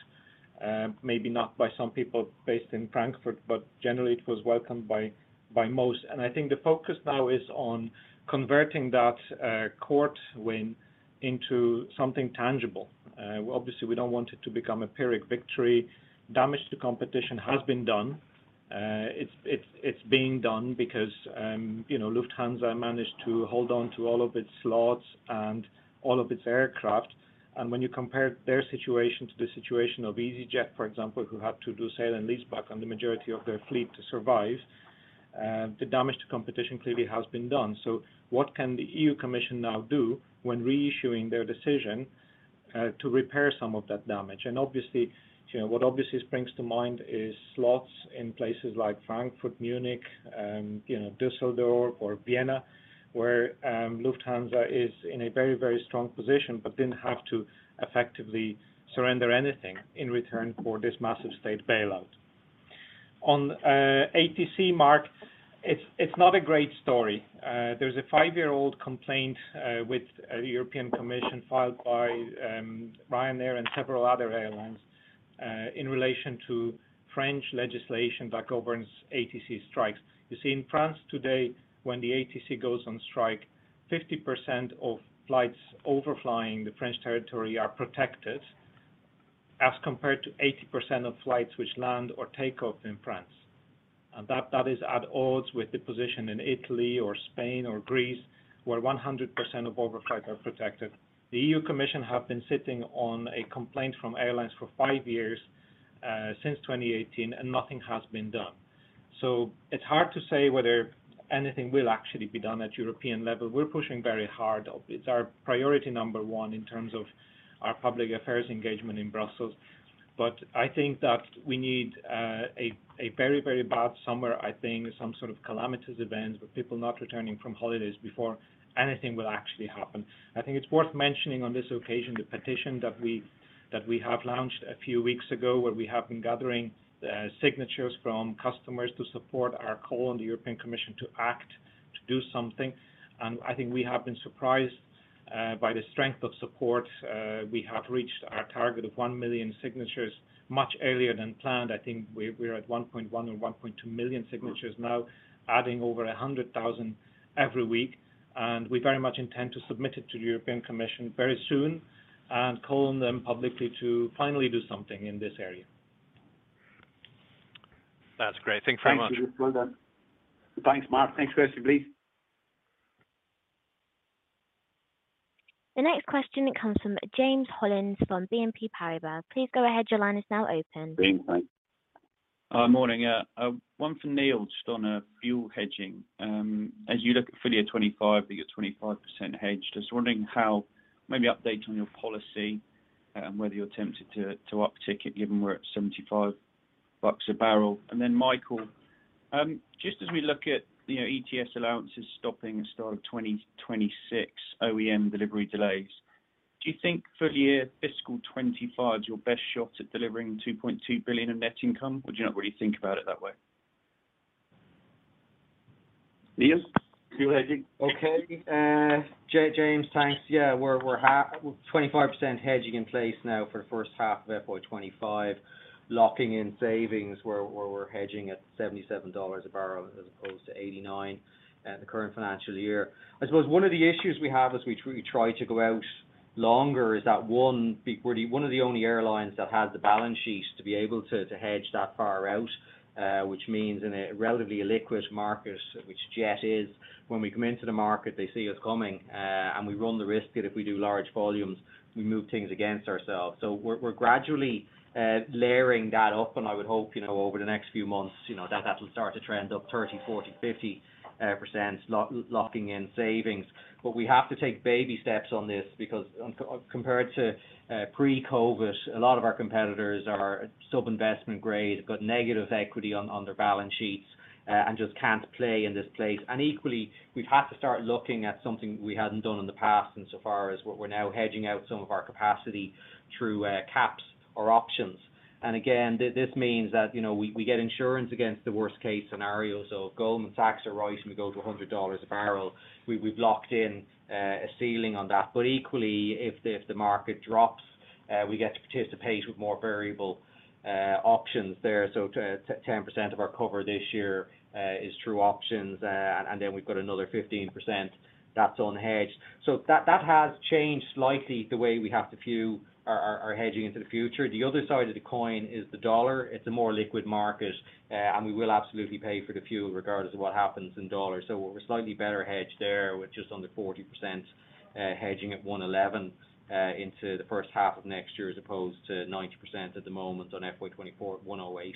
maybe not by some people based in Frankfurt, but generally it was welcomed by most. I think the focus now is on converting that court win into something tangible. Obviously, we don't want it to become a pyrrhic victory. Damage to competition has been done. It's being done because, you know, Lufthansa managed to hold on to all of its slots and all of its aircraft. When you compare their situation to the situation of easyJet, for example, who had to do sale and leaseback on the majority of their fleet to survive, the damage to competition clearly has been done. What can the EU Commission now do when reissuing their decision to repair some of that damage? Obviously, you know, what obviously springs to mind is slots in places like Frankfurt, Munich, you know, Düsseldorf or Vienna, where Lufthansa is in a very, very strong position, but didn't have to effectively surrender anything in return for this massive state bailout. On ATC Mark, it's not a great story. There's a five-year-old complaint with a European Commission filed by Ryanair and several other airlines in relation to French legislation that governs ATC strikes. You see, in France today, when the ATC goes on strike, 50% of flights overflying the French territory are protected as compared to 80% of flights which land or take off in France. That is at odds with the position in Italy or Spain or Greece, where 100% of overflights are protected. The EU Commission have been sitting on a complaint from airlines for five years, since 2018, and nothing has been done. It's hard to say whether anything will actually be done at European level. We're pushing very hard. It's our priority number one in terms of our public affairs engagement in Brussels. I think that we need a very, very bad summer. I think some sort of calamitous events with people not returning from holidays before anything will actually happen. I think it's worth mentioning on this occasion, the petition that we have launched a few weeks ago, where we have been gathering signatures from customers to support our call on the European Commission to act, to do something. I think we have been surprised by the strength of support. We have reached our target of 1 million signatures much earlier than planned. I think we're at 1.1 or 1.2 million signatures now, adding over 100,000 every week. We very much intend to submit it to the European Commission very soon and call on them publicly to finally do something in this area. That's great. Thanks very much. Thanks for that. Thanks, Mark. Next question, please. The next question comes from James Hollins from BNP Paribas. Please go ahead. Your line is now open. James, hi. Morning. One for Neil, just on a fuel hedging. As you look at FY25 that you're 25% hedged, just wondering how maybe update on your policy and whether you're tempted to uptick it given we're at $75 a barrel. Michael, just as we look at, you know, ETS allowances stopping at start of 2026 OEM delivery delays, do you think FY25 is your best shot at delivering 2.2 billion in net income? Or do you not really think about it that way? Neil, fuel hedging. Okay. James, thanks. Yeah, we're 25% hedging in place now for the first half of FY25, locking in savings where we're hedging at $77 a barrel as opposed to $89, the current financial year. I suppose one of the issues we have as we try to go out longer is that, one, we're one of the only airlines that has the balance sheet to be able to hedge that far out, which means in a relatively illiquid market, which jet is when we come into the market, they see us coming, we run the risk that if we do large volumes, we move things against ourselves. We're gradually layering that up. I would hope, you know, over the next few months, you know, that that will start to trend up 30%, 40%, 50% locking in savings. We have to take baby steps on this because compared to pre-COVID, a lot of our competitors are sub-investment grade, have got negative equity on their balance sheets, and just can't play in this place. Equally, we've had to start looking at something we hadn't done in the past insofar as what we're now hedging out some of our capacity through caps or options. Again, this means that, you know, we get insurance against the worst case scenario. If Goldman Sachs are right and we go to $100 a barrel, we've locked in a ceiling on that. Equally, if the market drops, we get to participate with more variable options there. 10% of our cover this year is through options. Then we've got another 15% that's unhedged. That has changed slightly the way we have to view our hedging into the future. The other side of the coin is the dollar. It's a more liquid market, and we will absolutely pay for the fuel regardless of what happens in dollars. We're slightly better hedged there with just under 40% hedging at 1.11 into the first half of next year, as opposed to 90% at the moment on FY24 at 1.08.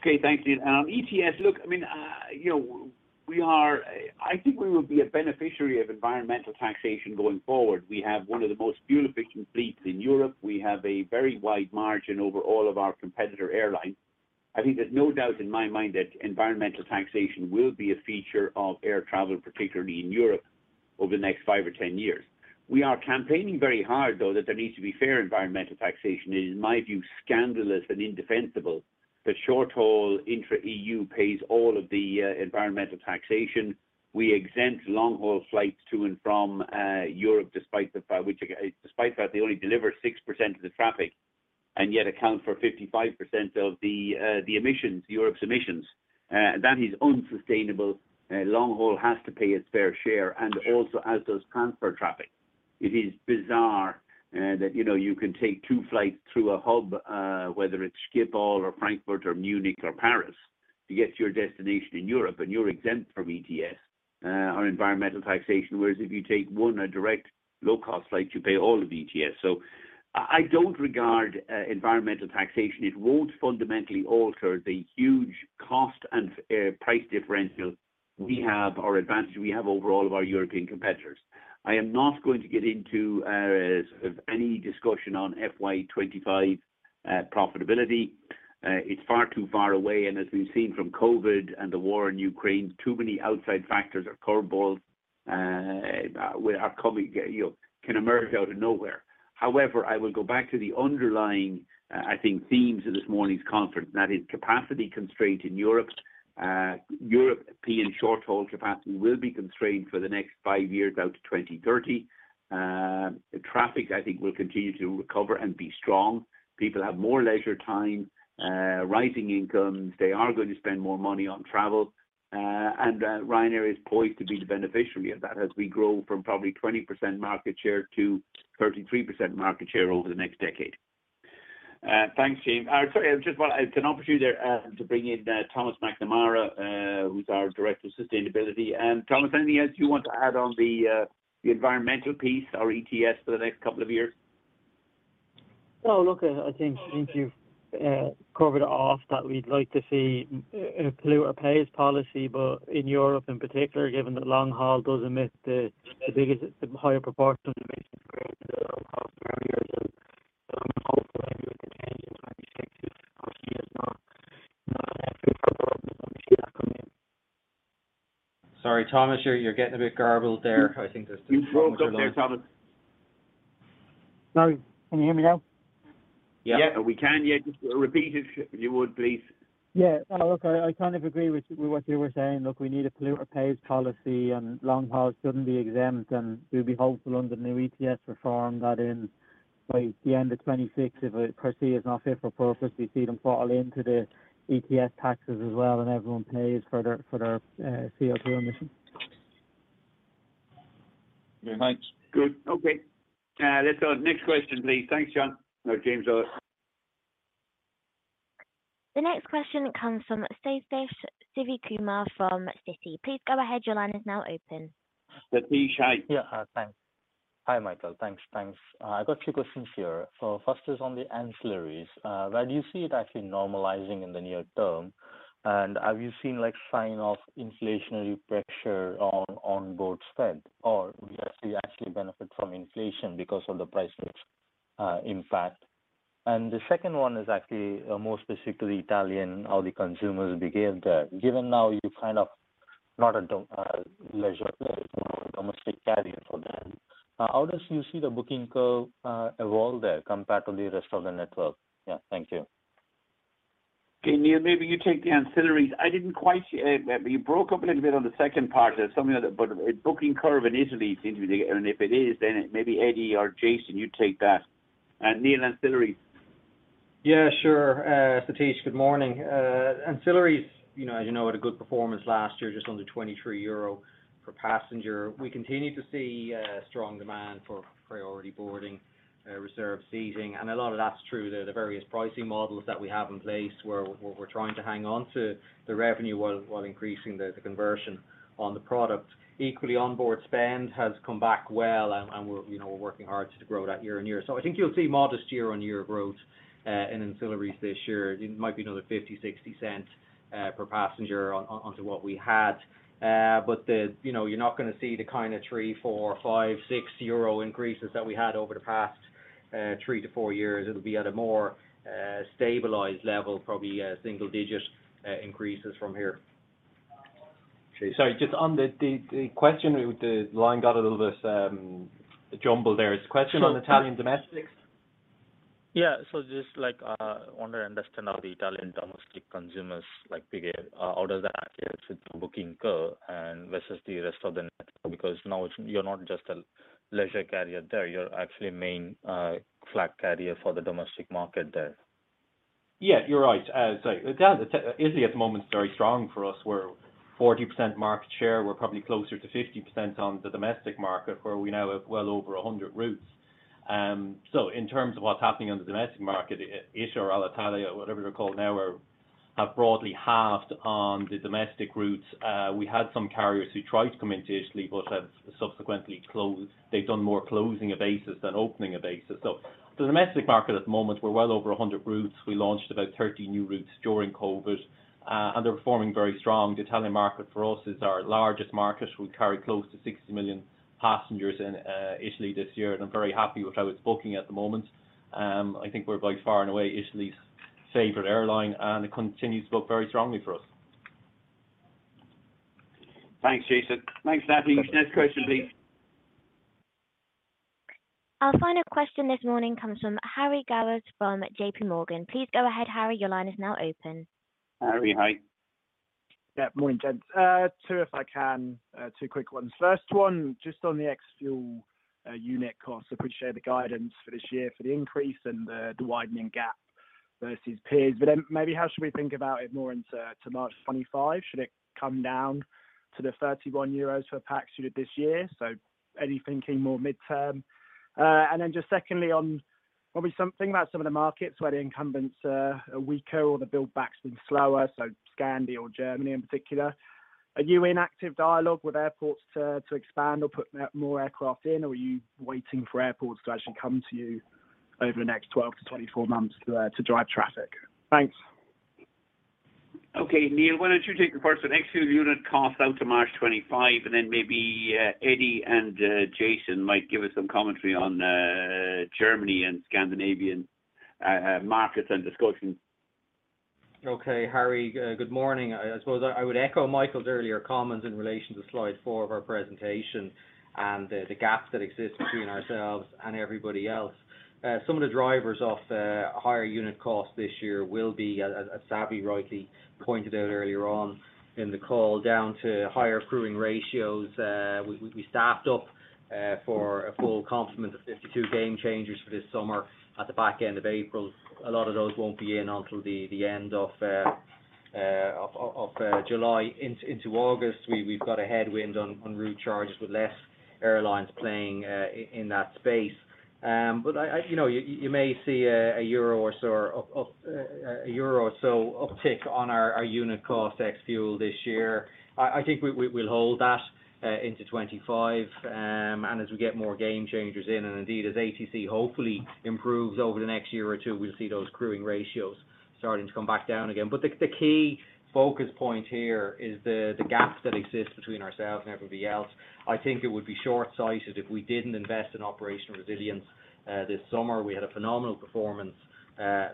Okay, thanks, Neil. On ETS, look, I mean, you know, I think we will be a beneficiary of environmental taxation going forward. We have one of the most fuel-efficient fleets in Europe. We have a very wide margin over all of our competitor airlines. I think there's no doubt in my mind that environmental taxation will be a feature of air travel, particularly in Europe over the next five or 10 years. We are campaigning very hard, though, that there needs to be fair environmental taxation. It is, in my view, scandalous and indefensible that short-haul intra-EU pays all of the environmental taxation. We exempt long-haul flights to and from Europe, despite the fact they only deliver 6% of the traffic and yet account for 55% of the emissions, Europe's emissions. That is unsustainable. Long haul has to pay its fair share and also as does transfer traffic. It is bizarre that, you know, you can take two flights through a hub, whether it's Schiphol or Frankfurt or Munich or Paris to get to your destination in Europe, and you're exempt from ETS or environmental taxation. Whereas if you take one, a direct low-cost flight, you pay all of ETS. I don't regard environmental taxation. It won't fundamentally alter the huge cost and price differential we have or advantage we have over all of our European competitors. I am not going to get into sort of any discussion on FY25 profitability. It's far too far away. As we've seen from COVID and the war in Ukraine, too many outside factors are curveballs. will are coming, you know, can emerge out of nowhere. I will go back to the underlying, I think themes of this morning's conference, that is capacity constraint in Europe. European short-haul capacity will be constrained for the next five years out to 2030. The traffic, I think, will continue to recover and be strong. People have more leisure time, rising incomes. They are going to spend more money on travel. Ryanair is poised to be the beneficiary of that as we grow from probably 20% market share to 33% market share over the next decade. Thanks, James. Sorry, just while it's an opportunity to bring in Thomas Fowler, who's our Director of Sustainability. Thomas, anything else you want to add on the environmental piece or ETS for the next couple of years? No. Look, I think you've covered it off that we'd like to see a polluter pays policy. In Europe in particular, given that long haul does emit the biggest, the higher proportion of emissions compared to the short haul earlier. I'm hopeful maybe with the changes in 2026 if it is not fit for purpose and we see that coming in. Sorry, Thomas, you're getting a bit garbled there. I think there's too much of a long- You broke up there, Thomas. Sorry, can you hear me now? Yeah. We can. Yeah. Just repeat it if you would, please. I kind of agree with what you were saying. We need a polluter pays policy, long haul shouldn't be exempt. We'll be hopeful under the new ETS reform that in by the end of 2026, if it per say is not fit for purpose, we see them fall into the ETS taxes as well, everyone pays for their CO2 emissions. Yeah. Thanks. Good. Okay. let's go to the next question, please. Thanks, John. No, James, go ahead. The next question comes from Sathish Sivakumar from Citi. Please go ahead. Your line is now open. Sathish, hi. Thanks. Hi, Michael. Thanks. I got two questions here. First is on the ancillaries. Where do you see it actually normalizing in the near term? Have you seen sign of inflationary pressure on onboard spend or do you actually benefit from inflation because of the price mix impact? The second one is actually more specific to the Italian, how the consumers behave there. Given now you're kind of not a leisure domestic carrier for them, how does you see the booking curve evolve there compared to the rest of the network? Yeah. Thank you. Okay. Neil, maybe you take the ancillaries. I didn't quite... you broke up a little bit on the second part there. Something about a booking curve in Italy, it seems to be. If it is, maybe Eddie or Jason, you take that. Neil, ancillaries. Yeah, sure. Sathish, good morning. Ancillaries, you know, as you know, had a good performance last year, just under 23 euro per passenger. We continue to see strong demand for priority boarding, reserve seating, and a lot of that's through the various pricing models that we have in place, where we're trying to hang on to the revenue while increasing the conversion on the product. Equally, onboard spend has come back well and we're, you know, we're working hard to grow that year-on-year. I think you'll see modest year-on-year growth in ancillaries this year. It might be another 0.50-0.60 per passenger on to what we had. The... You know, you're not gonna see the kind of 3, 4, 5, 6 euro increases that we had over the past, three to four years. It'll be at a more stabilized level, probably single-digit increases from here. Sorry, just on the question, the line got a little bit jumbled there. Is the question on Italian domestics? Yeah. Just like, want to understand how the Italian domestic consumers like behave. How does that affect the booking curve and versus the rest of the network? Because now you're not just a leisure carrier there, you're actually a main flag carrier for the domestic market there. Yeah, you're right. Italy at the moment is very strong for us. We're 40% market share. We're probably closer to 50% on the domestic market, where we now have well over 100 routes. In terms of what's happening on the domestic market, easyJet or Alitalia, whatever they're called now, have broadly halved on the domestic routes. We had some carriers who tried to come into Italy but have subsequently closed. They've done more closing of bases than opening of bases. The domestic market at the moment, we're well over 100 routes. We launched about 30 new routes during COVID, and they're performing very strong. The Italian market for us is our largest market. We carry close to 60 million passengers in Italy this year, and I'm very happy with how it's booking at the moment. I think we're by far and away Italy's favorite airline, and it continues to book very strongly for us. Thanks, Jason. Thanks for that. Next question, please. Our final question this morning comes from Harry Gowers from JPMorgan. Please go ahead, Harry. Your line is now open. Harry, hi. Yeah. Morning, gents. Two if I can, two quick ones. First one, just on the ex-fuel unit cost. Appreciate the guidance for this year for the increase and the widening gap versus peers. Maybe how should we think about it more into March 2025? Should it come down to the 31 euros per pax unit this year? Any thinking more midterm? Just secondly, on probably something about some of the markets where the incumbents are weaker or the build back's been slower, so Scandi or Germany in particular. Are you in active dialogue with airports to expand or put more aircraft in? Are you waiting for airports to actually come to you over the next 12-24 months to drive traffic? Thanks. Okay, Neil, why don't you take the first one? Ex-fuel unit cost out to March 25, and then maybe Eddie and Jason might give us some commentary on Germany and Scandinavian markets and discussions. Okay, Harry, good morning. I suppose I would echo Michael's earlier comments in relation to slide four of our presentation and the gaps that exist between ourselves and everybody else. Some of the drivers of the higher unit cost this year will be as Eddie rightly pointed out earlier on in the call down to higher crewing ratios. We staffed up for a full complement of 52 game changers for this summer at the back end of April. A lot of those won't be in until the end of July into August. We've got a headwind on route charges with less airlines playing in that space. I, you know, you may see a euro or so uptick on our unit cost ex-fuel this year. I think we'll hold that into 25. As we get more game changers in, and indeed as ATC hopefully improves over the next year or two, we'll see those crewing ratios starting to come back down again. The key focus point here is the gaps that exist between ourselves and everybody else. I think it would be short-sighted if we didn't invest in operational resilience this summer. We had a phenomenal performance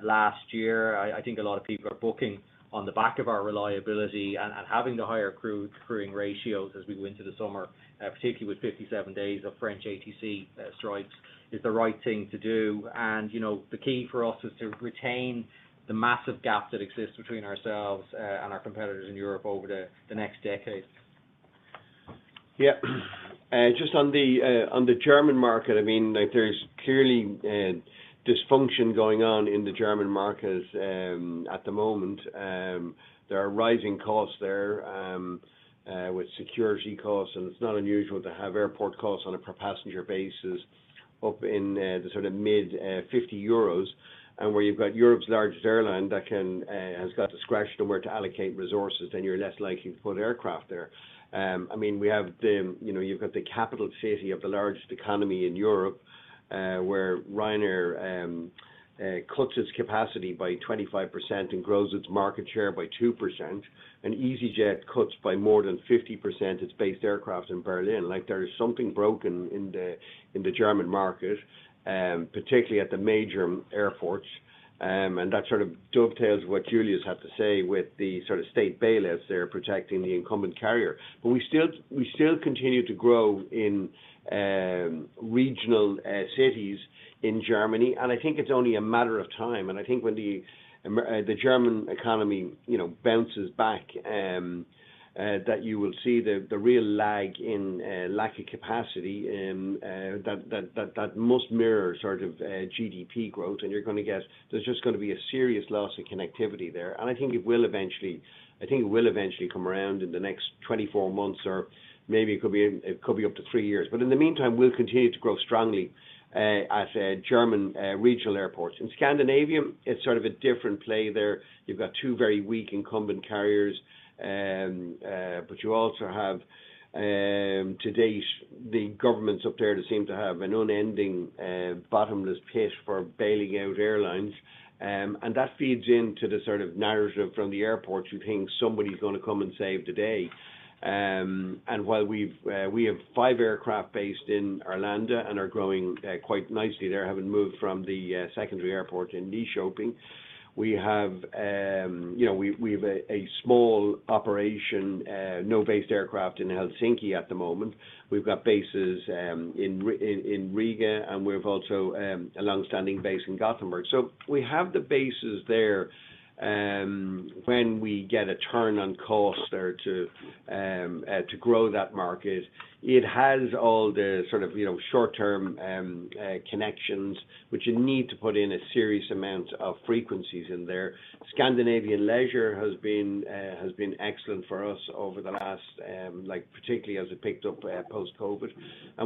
last year. I think a lot of people are booking on the back of our reliability and having the higher crewing ratios as we go into the summer, particularly with 57 days of French ATC strikes, is the right thing to do. You know, the key for us is to retain the massive gaps that exist between ourselves and our competitors in Europe over the next decade. Just on the German market, I mean, like, there's clearly dysfunction going on in the German market at the moment. There are rising costs there with security costs. It's not unusual to have airport costs on a per passenger basis up in the sort of mid 50 euros. Where you've got Europe's largest airline that has got discretion where to allocate resources, you're less likely to put aircraft there. I mean, you know, you've got the capital city of the largest economy in Europe, where Ryanair cuts its capacity by 25% and grows its market share by 2%. EasyJet cuts by more than 50% its based aircraft in Berlin. Like there is something broken in the German market, particularly at the major airports. That sort of dovetails what Juliusz had to say with the sort of state bailouts there protecting the incumbent carrier. We still continue to grow in regional cities in Germany, and I think it's only a matter of time. I think when the German economy, you know, bounces back, that you will see the real lag in lack of capacity that must mirror sort of GDP growth. There's just gonna be a serious loss of connectivity there. I think it will eventually come around in the next 24 months or maybe it could be, it could be up to three years. In the meantime, we'll continue to grow strongly at German regional airports. In Scandinavia, it's sort of a different play there. You've got two very weak incumbent carriers. You also have to date the governments up there that seem to have an unending bottomless pit for bailing out airlines. That feeds into the sort of narrative from the airports who think somebody's gonna come and save the day. While we have five aircraft based in Arlanda and are growing quite nicely there, having moved from the secondary airport in Nyköping. We have, you know, we've a small operation, no based aircraft in Helsinki at the moment. We've got bases in Riga, and we've also a long-standing base in Gothenburg. We have the bases there, when we get a turn on cost there to grow that market. It has all the sort of, you know, short term connections which you need to put in a serious amount of frequencies in there. Scandinavian Leisure has been excellent for us over the last, like particularly as it picked up post-COVID.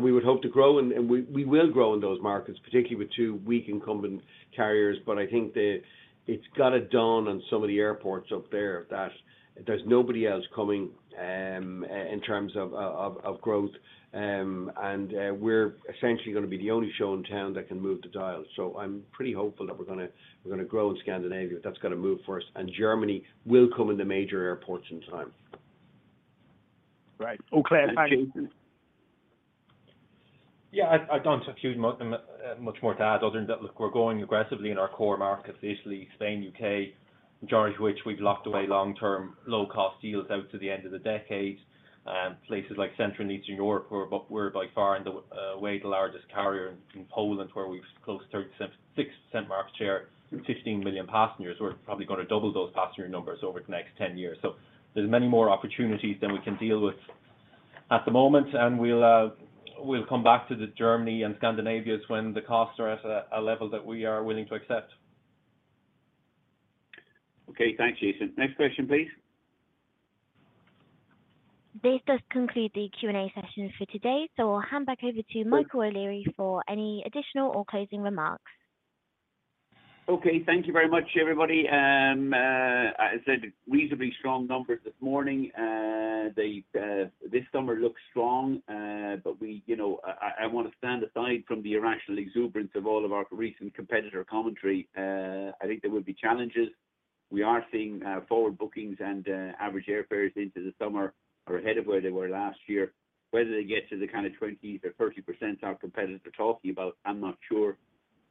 We would hope to grow and we will grow in those markets, particularly with two weak incumbent carriers. I think it's got it down on some of the airports up there that there's nobody else coming in terms of growth. We're essentially gonna be the only show in town that can move the dial. I'm pretty hopeful that we're gonna grow in Scandinavia if that's gonna move for us. Germany will come in the major airports in time. Right. Okay. Thanks. Jason? I don't have too much more to add other than that, look, we're growing aggressively in our core markets, Italy, Spain, U.K., majority of which we've locked away long-term low-cost deals out to the end of the decade. Places like Central and Eastern Europe we're by far and away the largest carrier in Poland, where we've close to 36% market share, 15 million passengers. We're probably gonna double those passenger numbers over the next 10 years. There's many more opportunities than we can deal with at the moment. We'll come back to the Germany and Scandinavias when the costs are at a level that we are willing to accept. Okay. Thanks, Jason. Next question, please. This does conclude the Q&A session for today. I'll hand back over to Michael O'Leary for any additional or closing remarks. Okay. Thank you very much, everybody. As I said, reasonably strong numbers this morning. This summer looks strong, we, you know... I wanna stand aside from the irrational exuberance of all of our recent competitor commentary. I think there will be challenges. We are seeing forward bookings and average airfares into the summer are ahead of where they were last year. Whether they get to the kind of 20% or 30% our competitors are talking about, I'm not sure.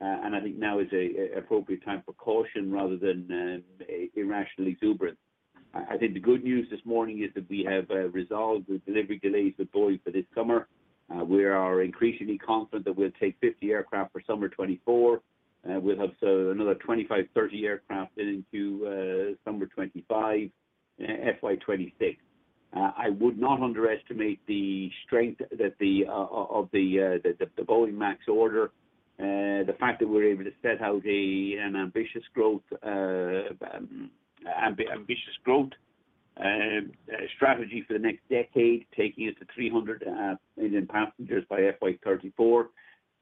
I think now is a appropriate time for caution rather than irrational exuberance. I think the good news this morning is that we have resolved the delivery delays with Boeing for this summer. We are increasingly confident that we'll take 50 aircraft for summer 2024. We'll have another 25, 30 aircraft into summer 2025, FY 2026. I would not underestimate the strength that the of the Boeing MAX order. The fact that we're able to set out an ambitious growth ambitious growth strategy for the next decade, taking it to 300 million passengers by FY 2034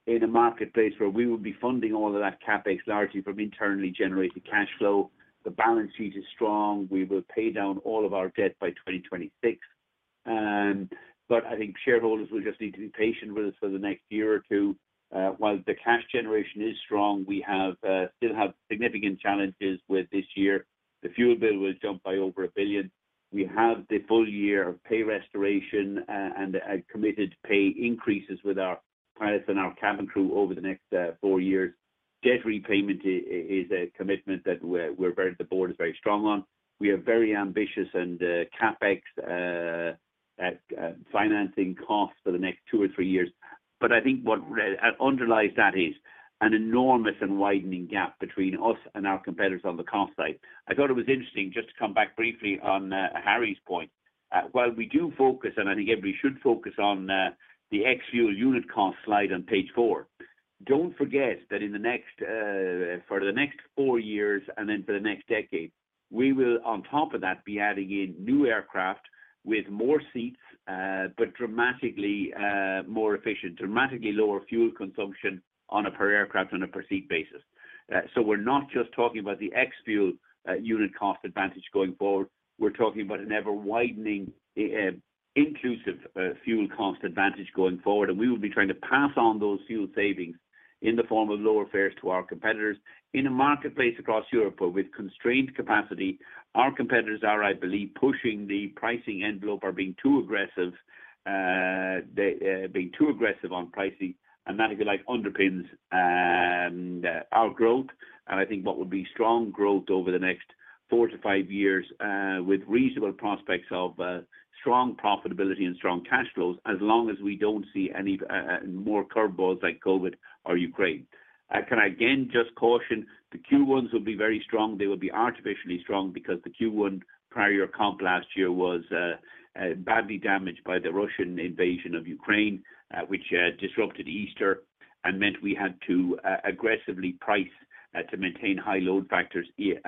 in a marketplace where we will be funding all of that CapEx largely from internally generated cash flow. The balance sheet is strong. We will pay down all of our debt by 2026. I think shareholders will just need to be patient with us for the next year or two. While the cash generation is strong, we still have significant challenges with this year. The fuel bill will jump by over 1 billion. We have the full year of pay restoration and committed pay increases with our pilots and our cabin crew over the next four years. Debt repayment is a commitment that the board is very strong on. We are very ambitious and CapEx at financing costs for the next two or three years. I think what underlies that is an enormous and widening gap between us and our competitors on the cost side. I thought it was interesting just to come back briefly on Harry's point. While we do focus, and I think everybody should focus on, the ex-fuel unit cost slide on page four. Don't forget that in the next, for the next four years and then for the next decade, we will, on top of that, be adding in new aircraft with more seats, but dramatically more efficient, dramatically lower fuel consumption on a per aircraft, on a per seat basis. We're not just talking about the ex-fuel unit cost advantage going forward. We're talking about an ever-widening, inclusive, fuel cost advantage going forward. We will be trying to pass on those fuel savings in the form of lower fares to our competitors. In a marketplace across Europe with constrained capacity, our competitors are, I believe, pushing the pricing envelope are being too aggressive. They being too aggressive on pricing, and that, if you like, underpins our growth. I think what would be strong growth over the next four-five years, with reasonable prospects of strong profitability and strong cash flows as long as we don't see any more curveballs like COVID or Ukraine. Can I again just caution the Q1s will be very strong. They will be artificially strong because the Q1 prior comp last year was badly damaged by the Russian invasion of Ukraine, which disrupted Easter and meant we had to aggressively price to maintain high load factors here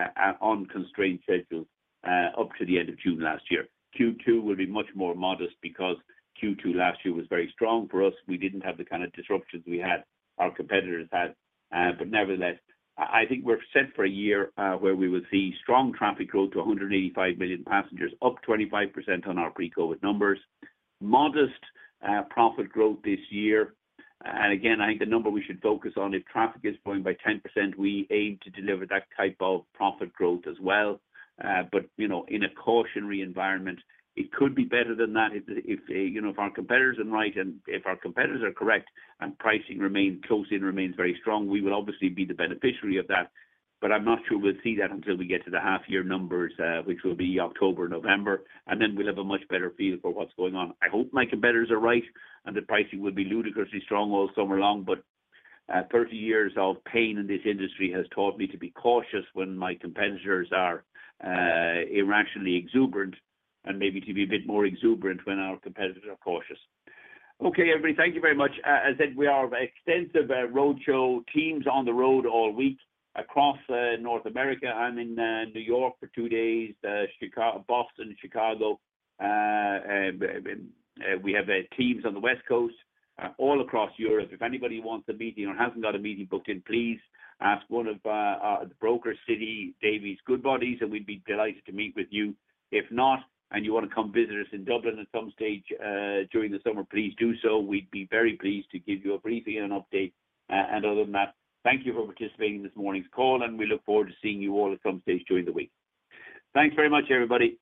on constrained schedules up to the end of June last year. Q2 will be much more modest because Q2 last year was very strong for us. We didn't have the kind of disruptions we had our competitors had. Nevertheless, I think we're set for a year where we will see strong traffic growth to 185 million passengers, up 25% on our pre-COVID numbers. Modest profit growth this year. Again, I think the number we should focus on, if traffic is growing by 10%, we aim to deliver that type of profit growth as well. You know, in a cautionary environment, it could be better than that if, you know, if our competitors are right and if our competitors are correct and pricing remains closed and remains very strong, we will obviously be the beneficiary of that. I'm not sure we'll see that until we get to the half-year numbers, which will be October, November, and then we'll have a much better feel for what's going on. I hope my competitors are right and the pricing will be ludicrously strong all summer long, but 30 years of pain in this industry has taught me to be cautious when my competitors are irrationally exuberant and maybe to be a bit more exuberant when our competitors are cautious. Okay, everybody, thank you very much. As I said, we are extensive roadshow teams on the road all week across North America. I'm in New York for two days, Chicago, Boston, Chicago. We have teams on the West Coast all across Europe. If anybody wants a meeting or hasn't got a meeting booked in, please ask one of our broker Citi Davy Goodbody, and we'd be delighted to meet with you. If not, and you want to come visit us in Dublin at some stage during the summer, please do so. We'd be very pleased to give you a briefing and update. Other than that, thank you for participating in this morning's call, and we look forward to seeing you all at some stage during the week. Thanks very much, everybody.